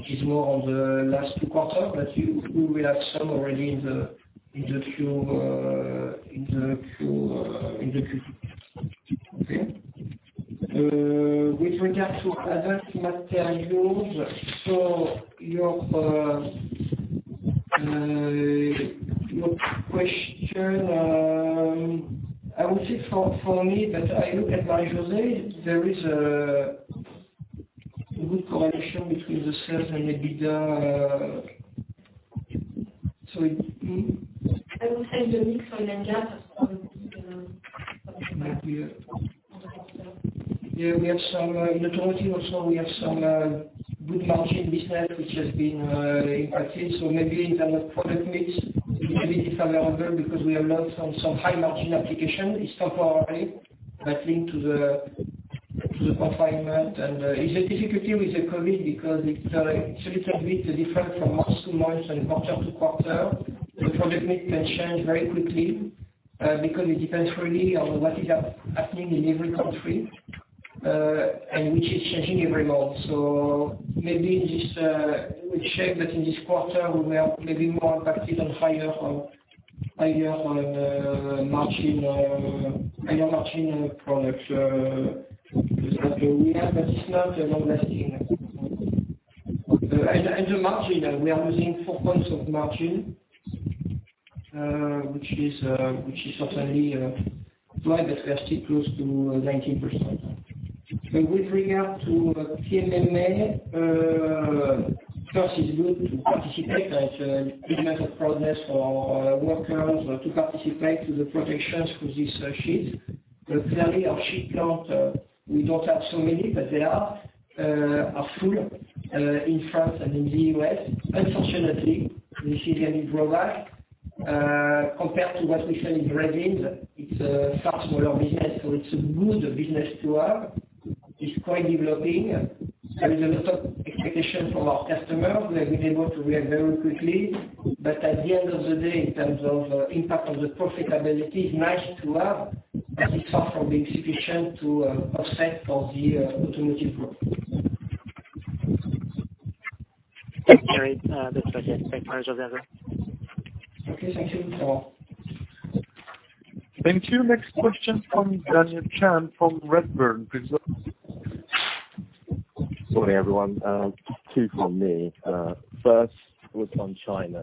B: which is more on the last two quarters. You will have some already in the Q3. Okay. With regards to Advanced Materials, your question, I would say for me, but I look at Marie-José, there is a good correlation between the sales and EBITDA. Mm-hmm?
C: I would say the mix for Arkema as well is going to be on the quarter.
B: Yeah, we have some in automotive also, we have some good margin business which has been impacted. Maybe in terms of product mix, it may be different there because we have lost some high margin application. It's temporary, linked to the confinement. It's a difficulty with the COVID-19 because it's a little bit different from month to month and quarter to quarter. The product mix can change very quickly because it depends really on what is happening in every country, and which is changing every month. Maybe we check that in this quarter, we are maybe more impacted on higher on margin products. That's what we have, but it's not long-lasting. The margin, we are losing four points of margin, which is certainly quite, but we are still close to 19%. With regard to PMMA, it's good to participate as a commitment of progress for workers or to participate to the protections for this sheet. Clearly our sheet plant, we don't have so many, but they are full in France and in the U.S. Unfortunately, we see a little growth back compared to what we sell in resins. It's a much smaller business, it's a good business to have. It's quite developing. There is a lot of expectation from our customers. We have been able to react very quickly. At the end of the day, in terms of impact on the profitability, it's nice to have, but it's far from being sufficient to offset the automotive growth.
H: Thank you, Thierry.
B: Okay, thank you.
A: Thank you. Next question from Daniel Chung from Redburn. Please go ahead.
I: Morning, everyone. Two from me. Concerns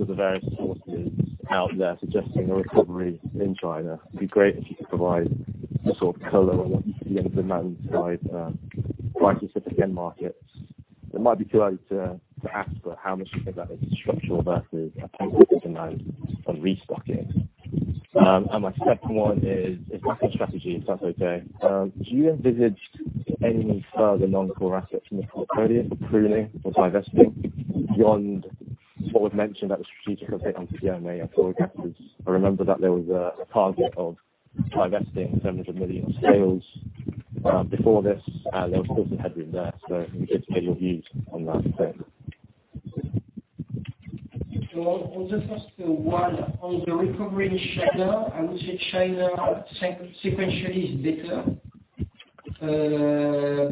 I: of the various sources out there suggesting a recovery in China. It'd be great if you could provide the sort of color on what you see on the ground side, price-specific end markets. It might be too early to ask, but how much do you think that is structural versus a temporary phenomenon from restocking? My second one is asset strategy, if that's okay. Do you envisage any further non-core assets from the portfolio pruning or divesting beyond what was mentioned at the strategic update on PMMA a couple of quarters? I remember that there was a target of divesting 700 million of sales. Before this, there was always a headroom there, so if you could share your views on that point.
B: On the first one, on the recovery in China, I would say China sequentially is better.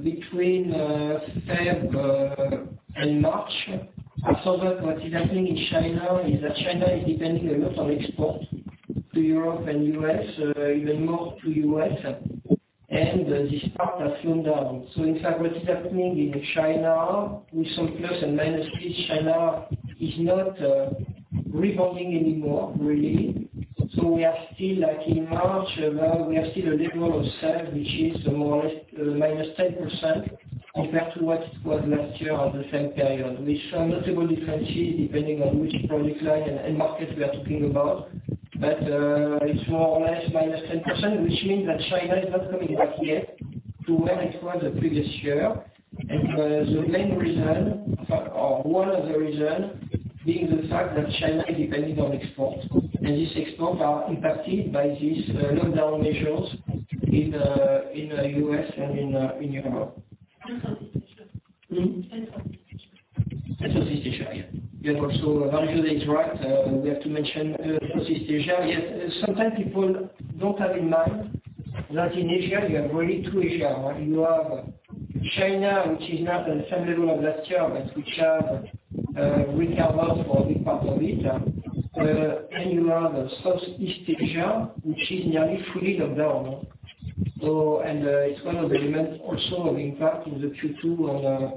B: Between February and March, I saw that what is happening in China is that China is depending a lot on export to Europe and U.S., even more to U.S., and this part has slowed down. In fact, what is happening in China with some plus and minus three, China is not rebounding anymore, really. We are still like in March. We are still a level of sales, which is more or less -10% compared to what it was last year at the same period, which are notable differences depending on which product line and market we are talking about. It's more or less -10%, which means that China is not coming back yet to where it was the previous year. The main reason or one of the reasons being the fact that China is depending on exports. These exports are impacted by these lockdown measures in the U.S. and in Europe.
I: Southeast Asia. Southeast Asia.
B: Southeast Asia, yeah. Yeah, Daniel is right. We have to mention Southeast Asia. Yes. Sometimes people don't have in mind that in Asia, you have really two Asia. You have China, which is not at the same level as last year, which have recovered for a big part of it. You have Southeast Asia, which is nearly fully locked down. It's one of the elements also of impact in the Q2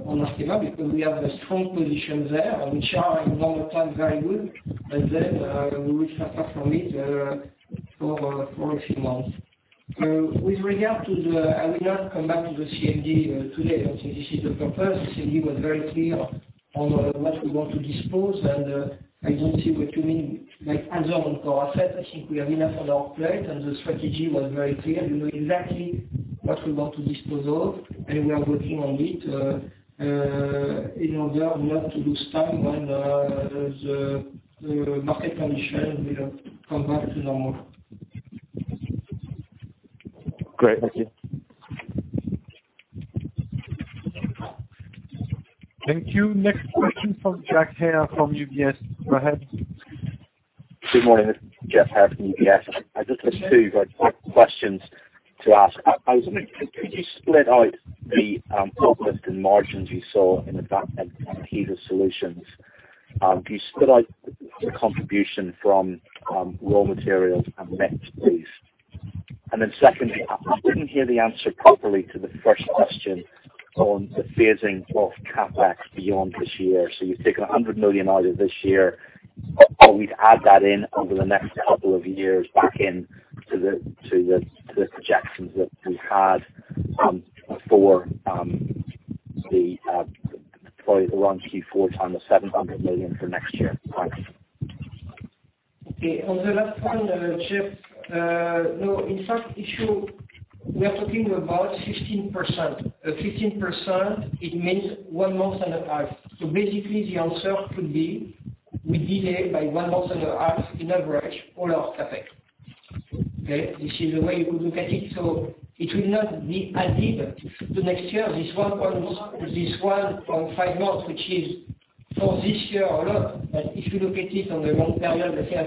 B: on Arkema, because we have a strong position there, which are a lot of times very good. We suffer from it for a few months. With regard to the I will not come back to the CMD today. I think this is the purpose. The CMD was very clear on what we want to dispose and I don't see what you mean, like add-on core asset. I think we have enough on our plate and the strategy was very clear. We know exactly what we want to dispose of, and we are working on it in order not to lose time when the market condition will come back to normal.
I: Great. Thank you.
A: Thank you. Next question from Geoff Haire from UBS. Go ahead.
J: Good morning. This is Geoff Haire from UBS. I just have two very quick questions to ask. I was wondering, could you split out the uplift in margins you saw in the back end of Adhesive Solutions? Could you split out the contribution from raw materials and mix, please? Secondly, I didn't hear the answer properly to the first question on the phasing of CapEx beyond this year. You've taken 100 million out of this year. Are we to add that in over the next couple of years back in to the projections that we had for the probably around Q4 times the 700 million for next year? Thanks.
B: Okay. On the last one, Geoff. In fact, we are talking about 15%. 15%, it means one month and a half. Basically, the answer could be we delay by one month and a half in average all our CapEx. This is the way we look at it. It will not be added to next year. This one from five months, which is for this year a lot. If you look at it on the long period, let's say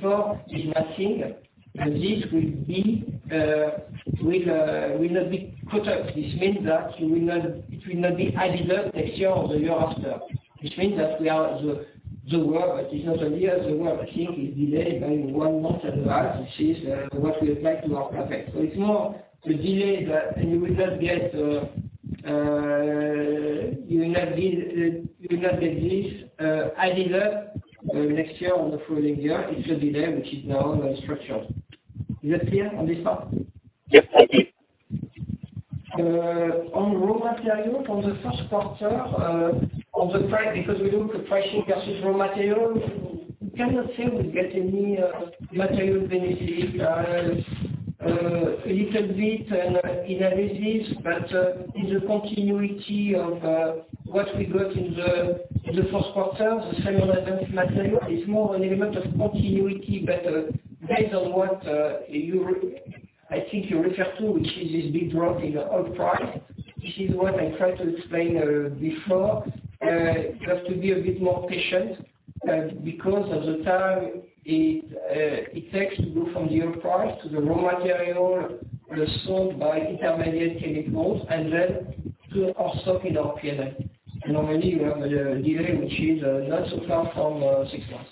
B: 2020-2024, it's nothing. This will not be cut out. This means that it will not be added up next year or the year after, which means that we are the work. It's not a year, the work I think is delayed by one month and a half, which is what we applied to our project. It's more a delay that you will not get this added up next year or the following year. It's a delay which is now structured. Is that clear on this part?
J: Yes. Thank you.
B: On raw material from the first quarter on the price, because we do compression versus raw material, we cannot say we get any material benefit. A little bit in a business, but it's a continuity of what we got in the first quarter. The same event material is more an element of continuity, but based on what you, I think you refer to, which is this big drop in oil price, which is what I tried to explain before. Just to be a bit more patient, because of the time it takes to go from the oil price to the raw material, sold by intermediate chemicals, and then to our stock in our P&L. Normally, you have a delay which is not so far from six months.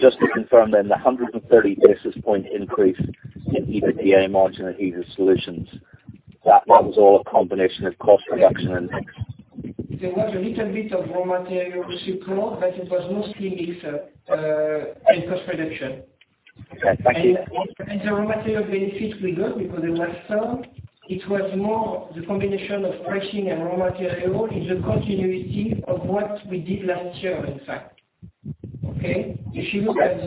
J: Just to confirm, the 130 basis point increase in EBITDA margin and Adhesive Solutions, that was all a combination of cost reduction and mix?
B: There was a little bit of raw material which you caught, but it was mostly mix and cost reduction.
J: Okay. Thank you.
B: The raw material benefit we got because it was firm, it was more the combination of pricing and raw material is a continuity of what we did last year, in fact. Okay? If you look at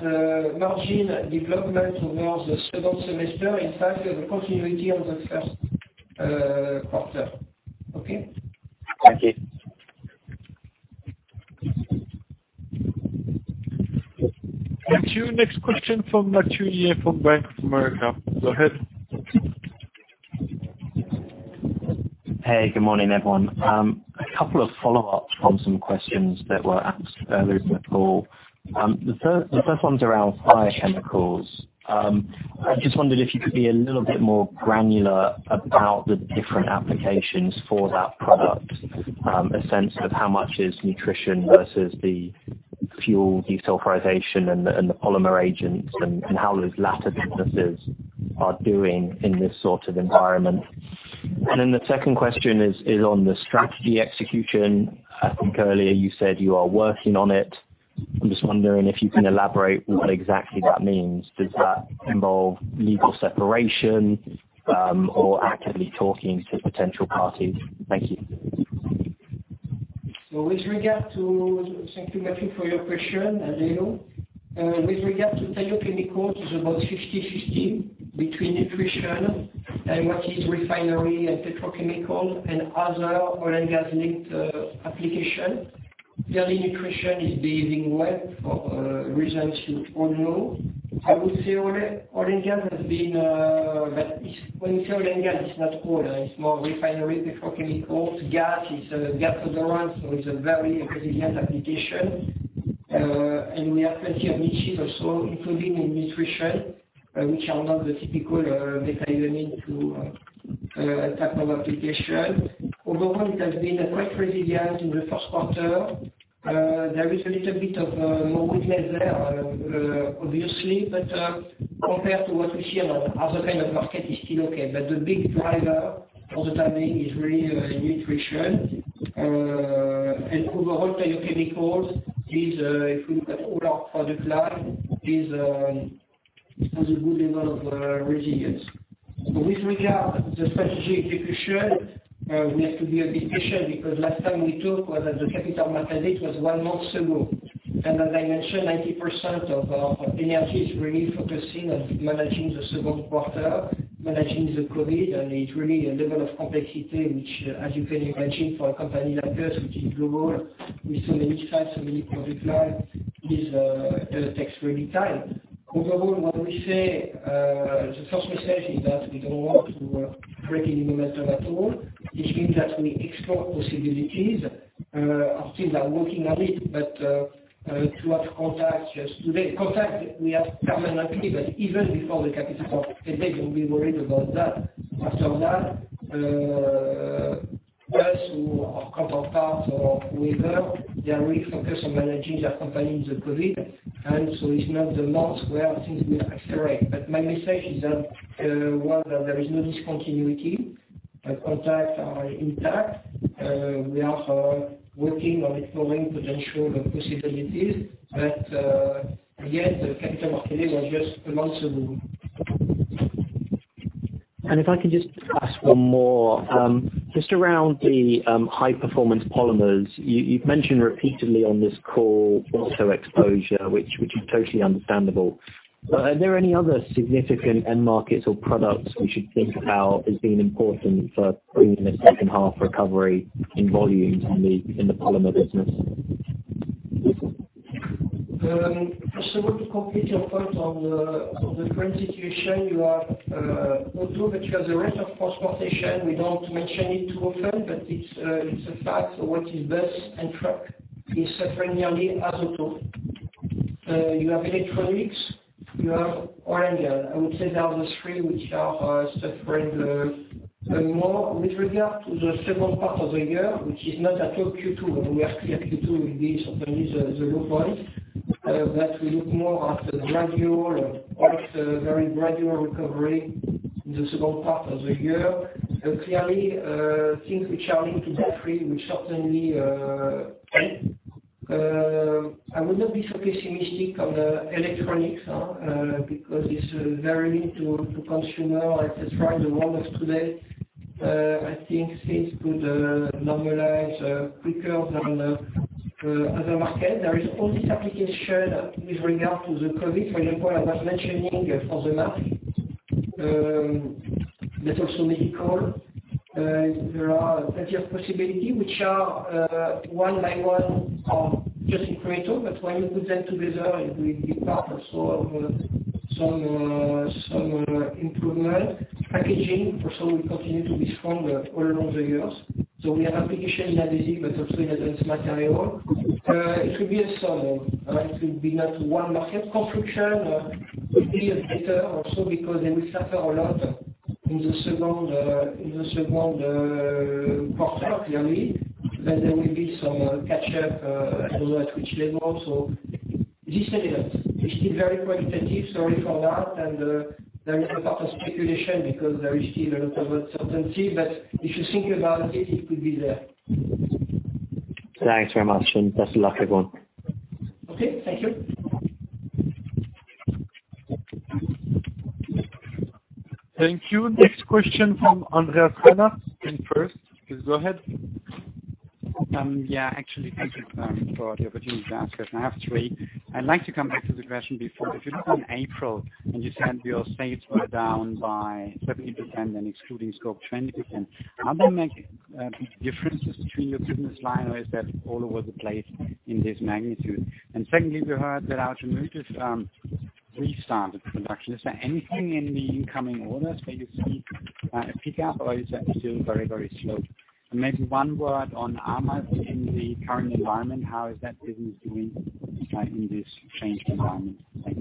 B: the margin development over the second semester, in fact, the continuity of the first quarter. Okay?
J: Thank you.
A: Thank you. Next question from Matthew Yates from Bank of America. Go ahead.
K: Hey, good morning, everyone. A couple of follow-ups from some questions that were asked earlier in the call. The first one's around biochemicals. I just wondered if you could be a little bit more granular about the different applications for that product, a sense of how much is nutrition versus the fuel desulfurization and the polymer agents, and how those latter businesses are doing in this sort of environment. The second question is on the strategy execution. I think earlier you said you are working on it. I'm just wondering if you can elaborate what exactly that means. Does that involve legal separation, or actively talking to potential parties? Thank you.
B: With regard to Thank you, Matthew, for your question, as you know. With regard to technical, it is about 50/50 between nutrition and what is refinery and petrochemical and other oil and gas linked application. Clearly, nutrition is behaving well for reasons you all know. I would say oil and gas has been, when you say oil and gas, it's not oil, it's more refinery, petrochemical, gas. It's a gas odorant, so it's a very resilient application. We have plenty of niches also, including in nutrition, which are not the typical methionine type of application. Overall, it has been quite resilient in the first quarter. There is a little bit of more weakness there, obviously, but compared to what we see on other kind of market is still okay. The big driver for the time being is really nutrition. Overall, technical, if we look at order for the client, it has a good level of resilience. With regard the strategy execution, we have to be a bit patient because last time we talked was at the Capital Markets, it was one month ago. As I mentioned, 90% of our energy is really focusing on managing the second quarter, managing the COVID, and it really a level of complexity which, as you can imagine, for a company like us, which is global with so many sites, so many product lines, it takes really time. Overall, what we say, the first message is that we don't want to break any momentum at all, which means that we explore possibilities. Our teams are working on it, but to have contacts just today. Contacts we have permanently, but even before the Capital Markets they don't be worried about that. After that, us or counterpart or whoever, they are really focused on managing their company in the COVID. It's not the month where things will accelerate. My message is that, one, there is no discontinuity, but contacts are intact. We are working on exploring potential possibilities. Again, the Capital Markets was just a month ago.
K: If I can just ask one more, just around the high-performance polymers. You've mentioned repeatedly on this call, auto exposure, which is totally understandable. Are there any other significant end markets or products we should think about as being important for bringing the second half recovery in volumes in the polymer business?
B: To complete your point on the current situation you have auto, but you have the rest of transportation. We don't mention it too often, but it's a fact, what is bus and truck is suffering nearly as auto. You have electronics, you have oil and gas. I would say there are the three which are suffering more. With regard to the second part of the year, which is not at all Q2, and we are clear Q2 will be certainly the low point. We look more after gradual, very gradual recovery in the second part of the year. Clearly, things which are linked to battery will certainly I would not be so pessimistic on the electronics, because it's very linked to consumer. It's right, well, that's today. I think things could normalize quicker than other market. There is all this application with regard to the COVID. For example, I was mentioning for the mask, but also medical. There are plenty of possibility which are one by one just incremental, but when you put them together, it will be part also of some improvement. Packaging also will continue to be strong all along the years. We have application in adhesive, but also in Advanced Materials. It will be a sum. It will be not one market. Construction will be better also because they will suffer a lot in the second quarter, clearly. There will be some catch-up, I don't know at which level. This element is still very qualitative, sorry for that, and there is a lot of speculation because there is still a lot of uncertainty. If you think about it could be there.
K: Thanks very much, and best of luck, everyone.
B: Okay, thank you.
A: Thank you. Next question from Andreas Heine MainFirst. Please go ahead.
L: Yeah, actually, thank you for the opportunity to ask. I have three. I'd like to come back to the question before. If you look on April, you said your sales were down by 70% and excluding scope, 20%. Are there differences between your business line, or is that all over the place in this magnitude? Secondly, we heard that Arkema just restarted production. Is there anything in the incoming orders that you see a pickup, or is that still very, very slow? Maybe one word on ArrMaz in the current environment, how is that business doing in this changed environment? Thank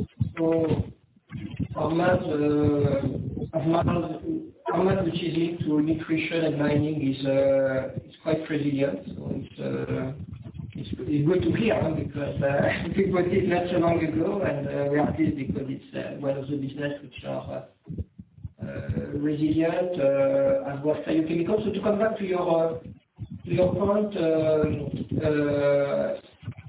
L: you.
B: ArrMaz, which is into nutrition and mining, is quite resilient. It's good to be out because we put it not so long ago, and we are pleased because it's one of the business which are resilient and worth their while. To come back to your point,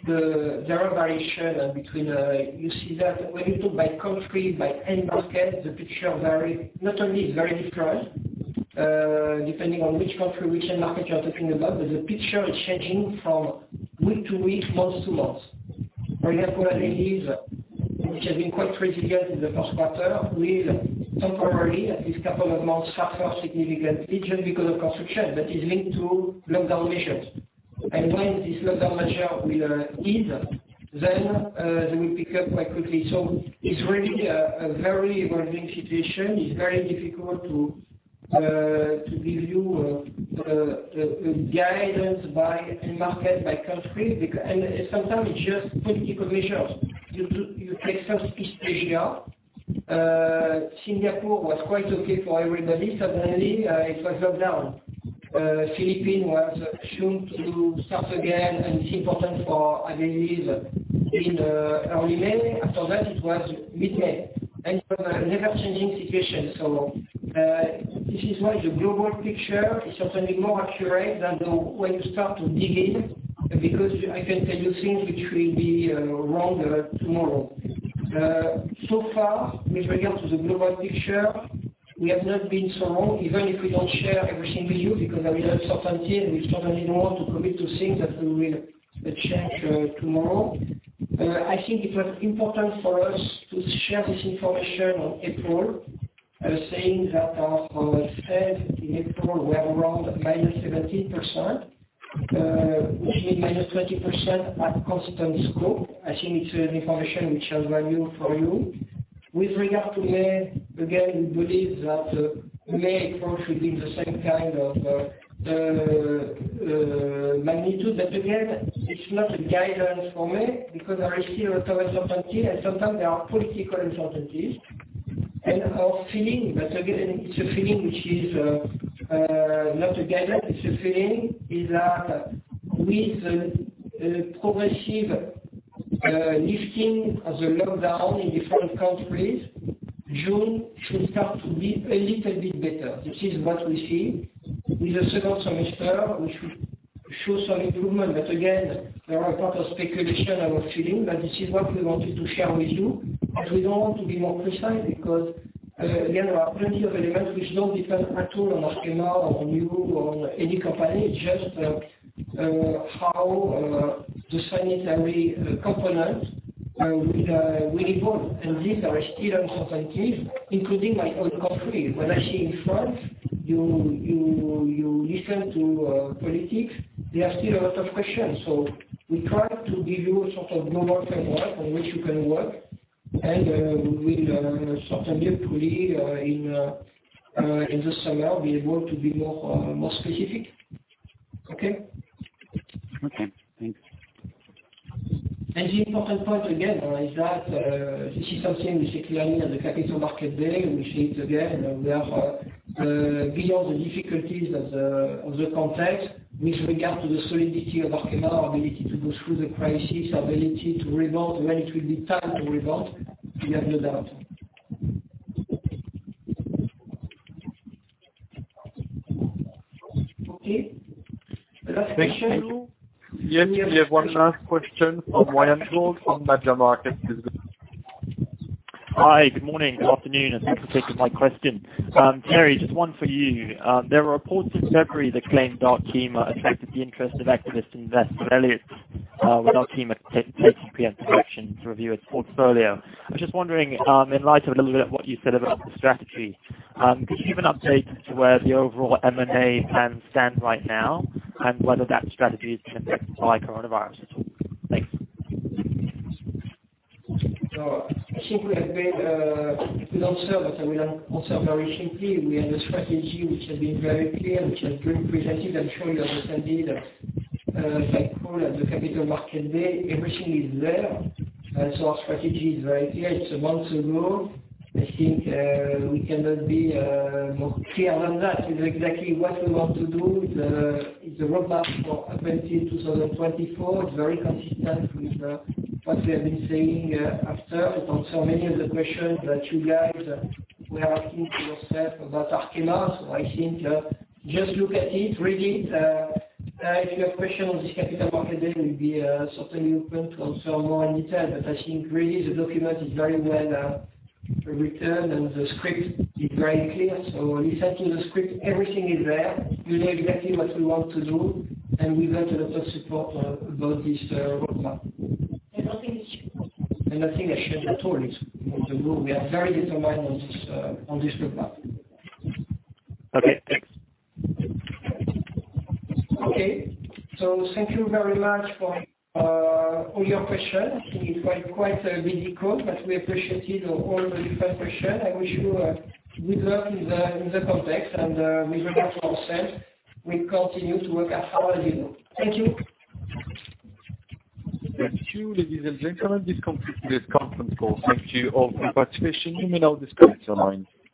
B: there are variation between You see that when you look by country, by any basket, the picture, not only is very different, depending on which country, which market you are talking about, but the picture is changing from week to week, month to month. For example, Anrilyse, which has been quite resilient in the first quarter, will temporarily, at least couple of months, suffer significant, just because of construction, but is linked to lockdown measures. When this lockdown measure will ease, they will pick up quite quickly. It's really a very evolving situation. It's very difficult to give you the guidance by end market, by country. Sometimes it's just political measures. You take South East Asia. Singapore was quite okay for everybody. Suddenly, it was lockdown. Philippines was assumed to start again, and it's important for Anrilyse in early May. After that, it was mid-May. It's an ever-changing situation. This is why the global picture is certainly more accurate than when you start to dig in, because I can tell you things which will be wrong tomorrow. So far, with regard to the global picture, we have not been so wrong, even if we don't share everything with you because there is uncertainty, and we certainly don't want to commit to things that will change tomorrow. I think it was important for us to share this information on April, saying that our sales in April were around -17%, which means -20% at constant scope. I think it's information which has value for you. With regard to May, again, we believe that May approach will be the same kind of magnitude. Again, it's not a guidance for me because there is still a lot of uncertainty, and sometimes there are political uncertainties. Our feeling, but again, it's a feeling which is not a guidance, it's a feeling, is that with progressive lifting of the lockdown in different countries, June should start to be a little bit better. This is what we see. With the second semester, we should show some improvement. Again, there are a lot of speculation and of feeling, but this is what we wanted to share with you. We don't want to be more precise because, again, there are plenty of elements which don't depend at all on Arkema or on you or on any company. It's just how the sanitary component will evolve, and these are still uncertainties, including my own country. When I see in France, you listen to politics, there are still a lot of questions. We try to give you a sort of global framework on which you can work, and we will certainly, probably, in the summer, be able to be more specific. Okay?
L: Okay, thanks.
B: The important point, again, is that this is something we said clearly on the Capital Markets Day. We said again, we are beyond the difficulties of the context with regard to the solidity of Arkema, our ability to go through the crisis, our ability to rebound when it will be time to rebound, we have no doubt. Okay. Last question.
A: Thank you. Yes, we have one last question from [Ryan Tomkins from Jefferies.].
M: Hi, good morning. Good afternoon, and thanks for taking my question. Thierry, just one for you. There were reports in February that claimed Arkema attracted the interest of activist investor Elliott, with Arkema taking preemptive action to review its portfolio. I am just wondering, in light of a little bit of what you said about the strategy, could you give an update as to where the overall M&A plans stand right now and whether that strategy has been affected by coronavirus at all? Thanks.
B: I think we have been Good answer, but I will answer very simply. We have a strategy which has been very clear, which has been presented, I'm sure you understand, that at the Capital Market Day, everything is there. Our strategy is very clear. It's a month ago. I think we cannot be more clear than that. We know exactly what we want to do. It's a roadmap for 2024. It's very consistent with what we have been saying after. It answers many of the questions that you guys were asking to yourself about Arkema. I think just look at it, read it. If you have questions on this Capital Market Day, we'll be certainly open to answer more in detail. I think really the document is very well written, and the script is very clear. If you listen to the script, everything is there. You know exactly what we want to do, and we've had a lot of support about this roadmap.
K: Nothing has changed.
B: Nothing has changed at all. It's on the move. We are very determined on this roadmap.
M: Okay, thanks.
B: Okay. Thank you very much for all your questions. I think it was quite a busy call, but we appreciated all the different questions. I wish you good luck in the context, and with regard to ourselves, we continue to work as hard as usual. Thank you.
A: Thank you, ladies and gentlemen. This concludes conference call. Thank you all for your participation. You may now disconnect your line.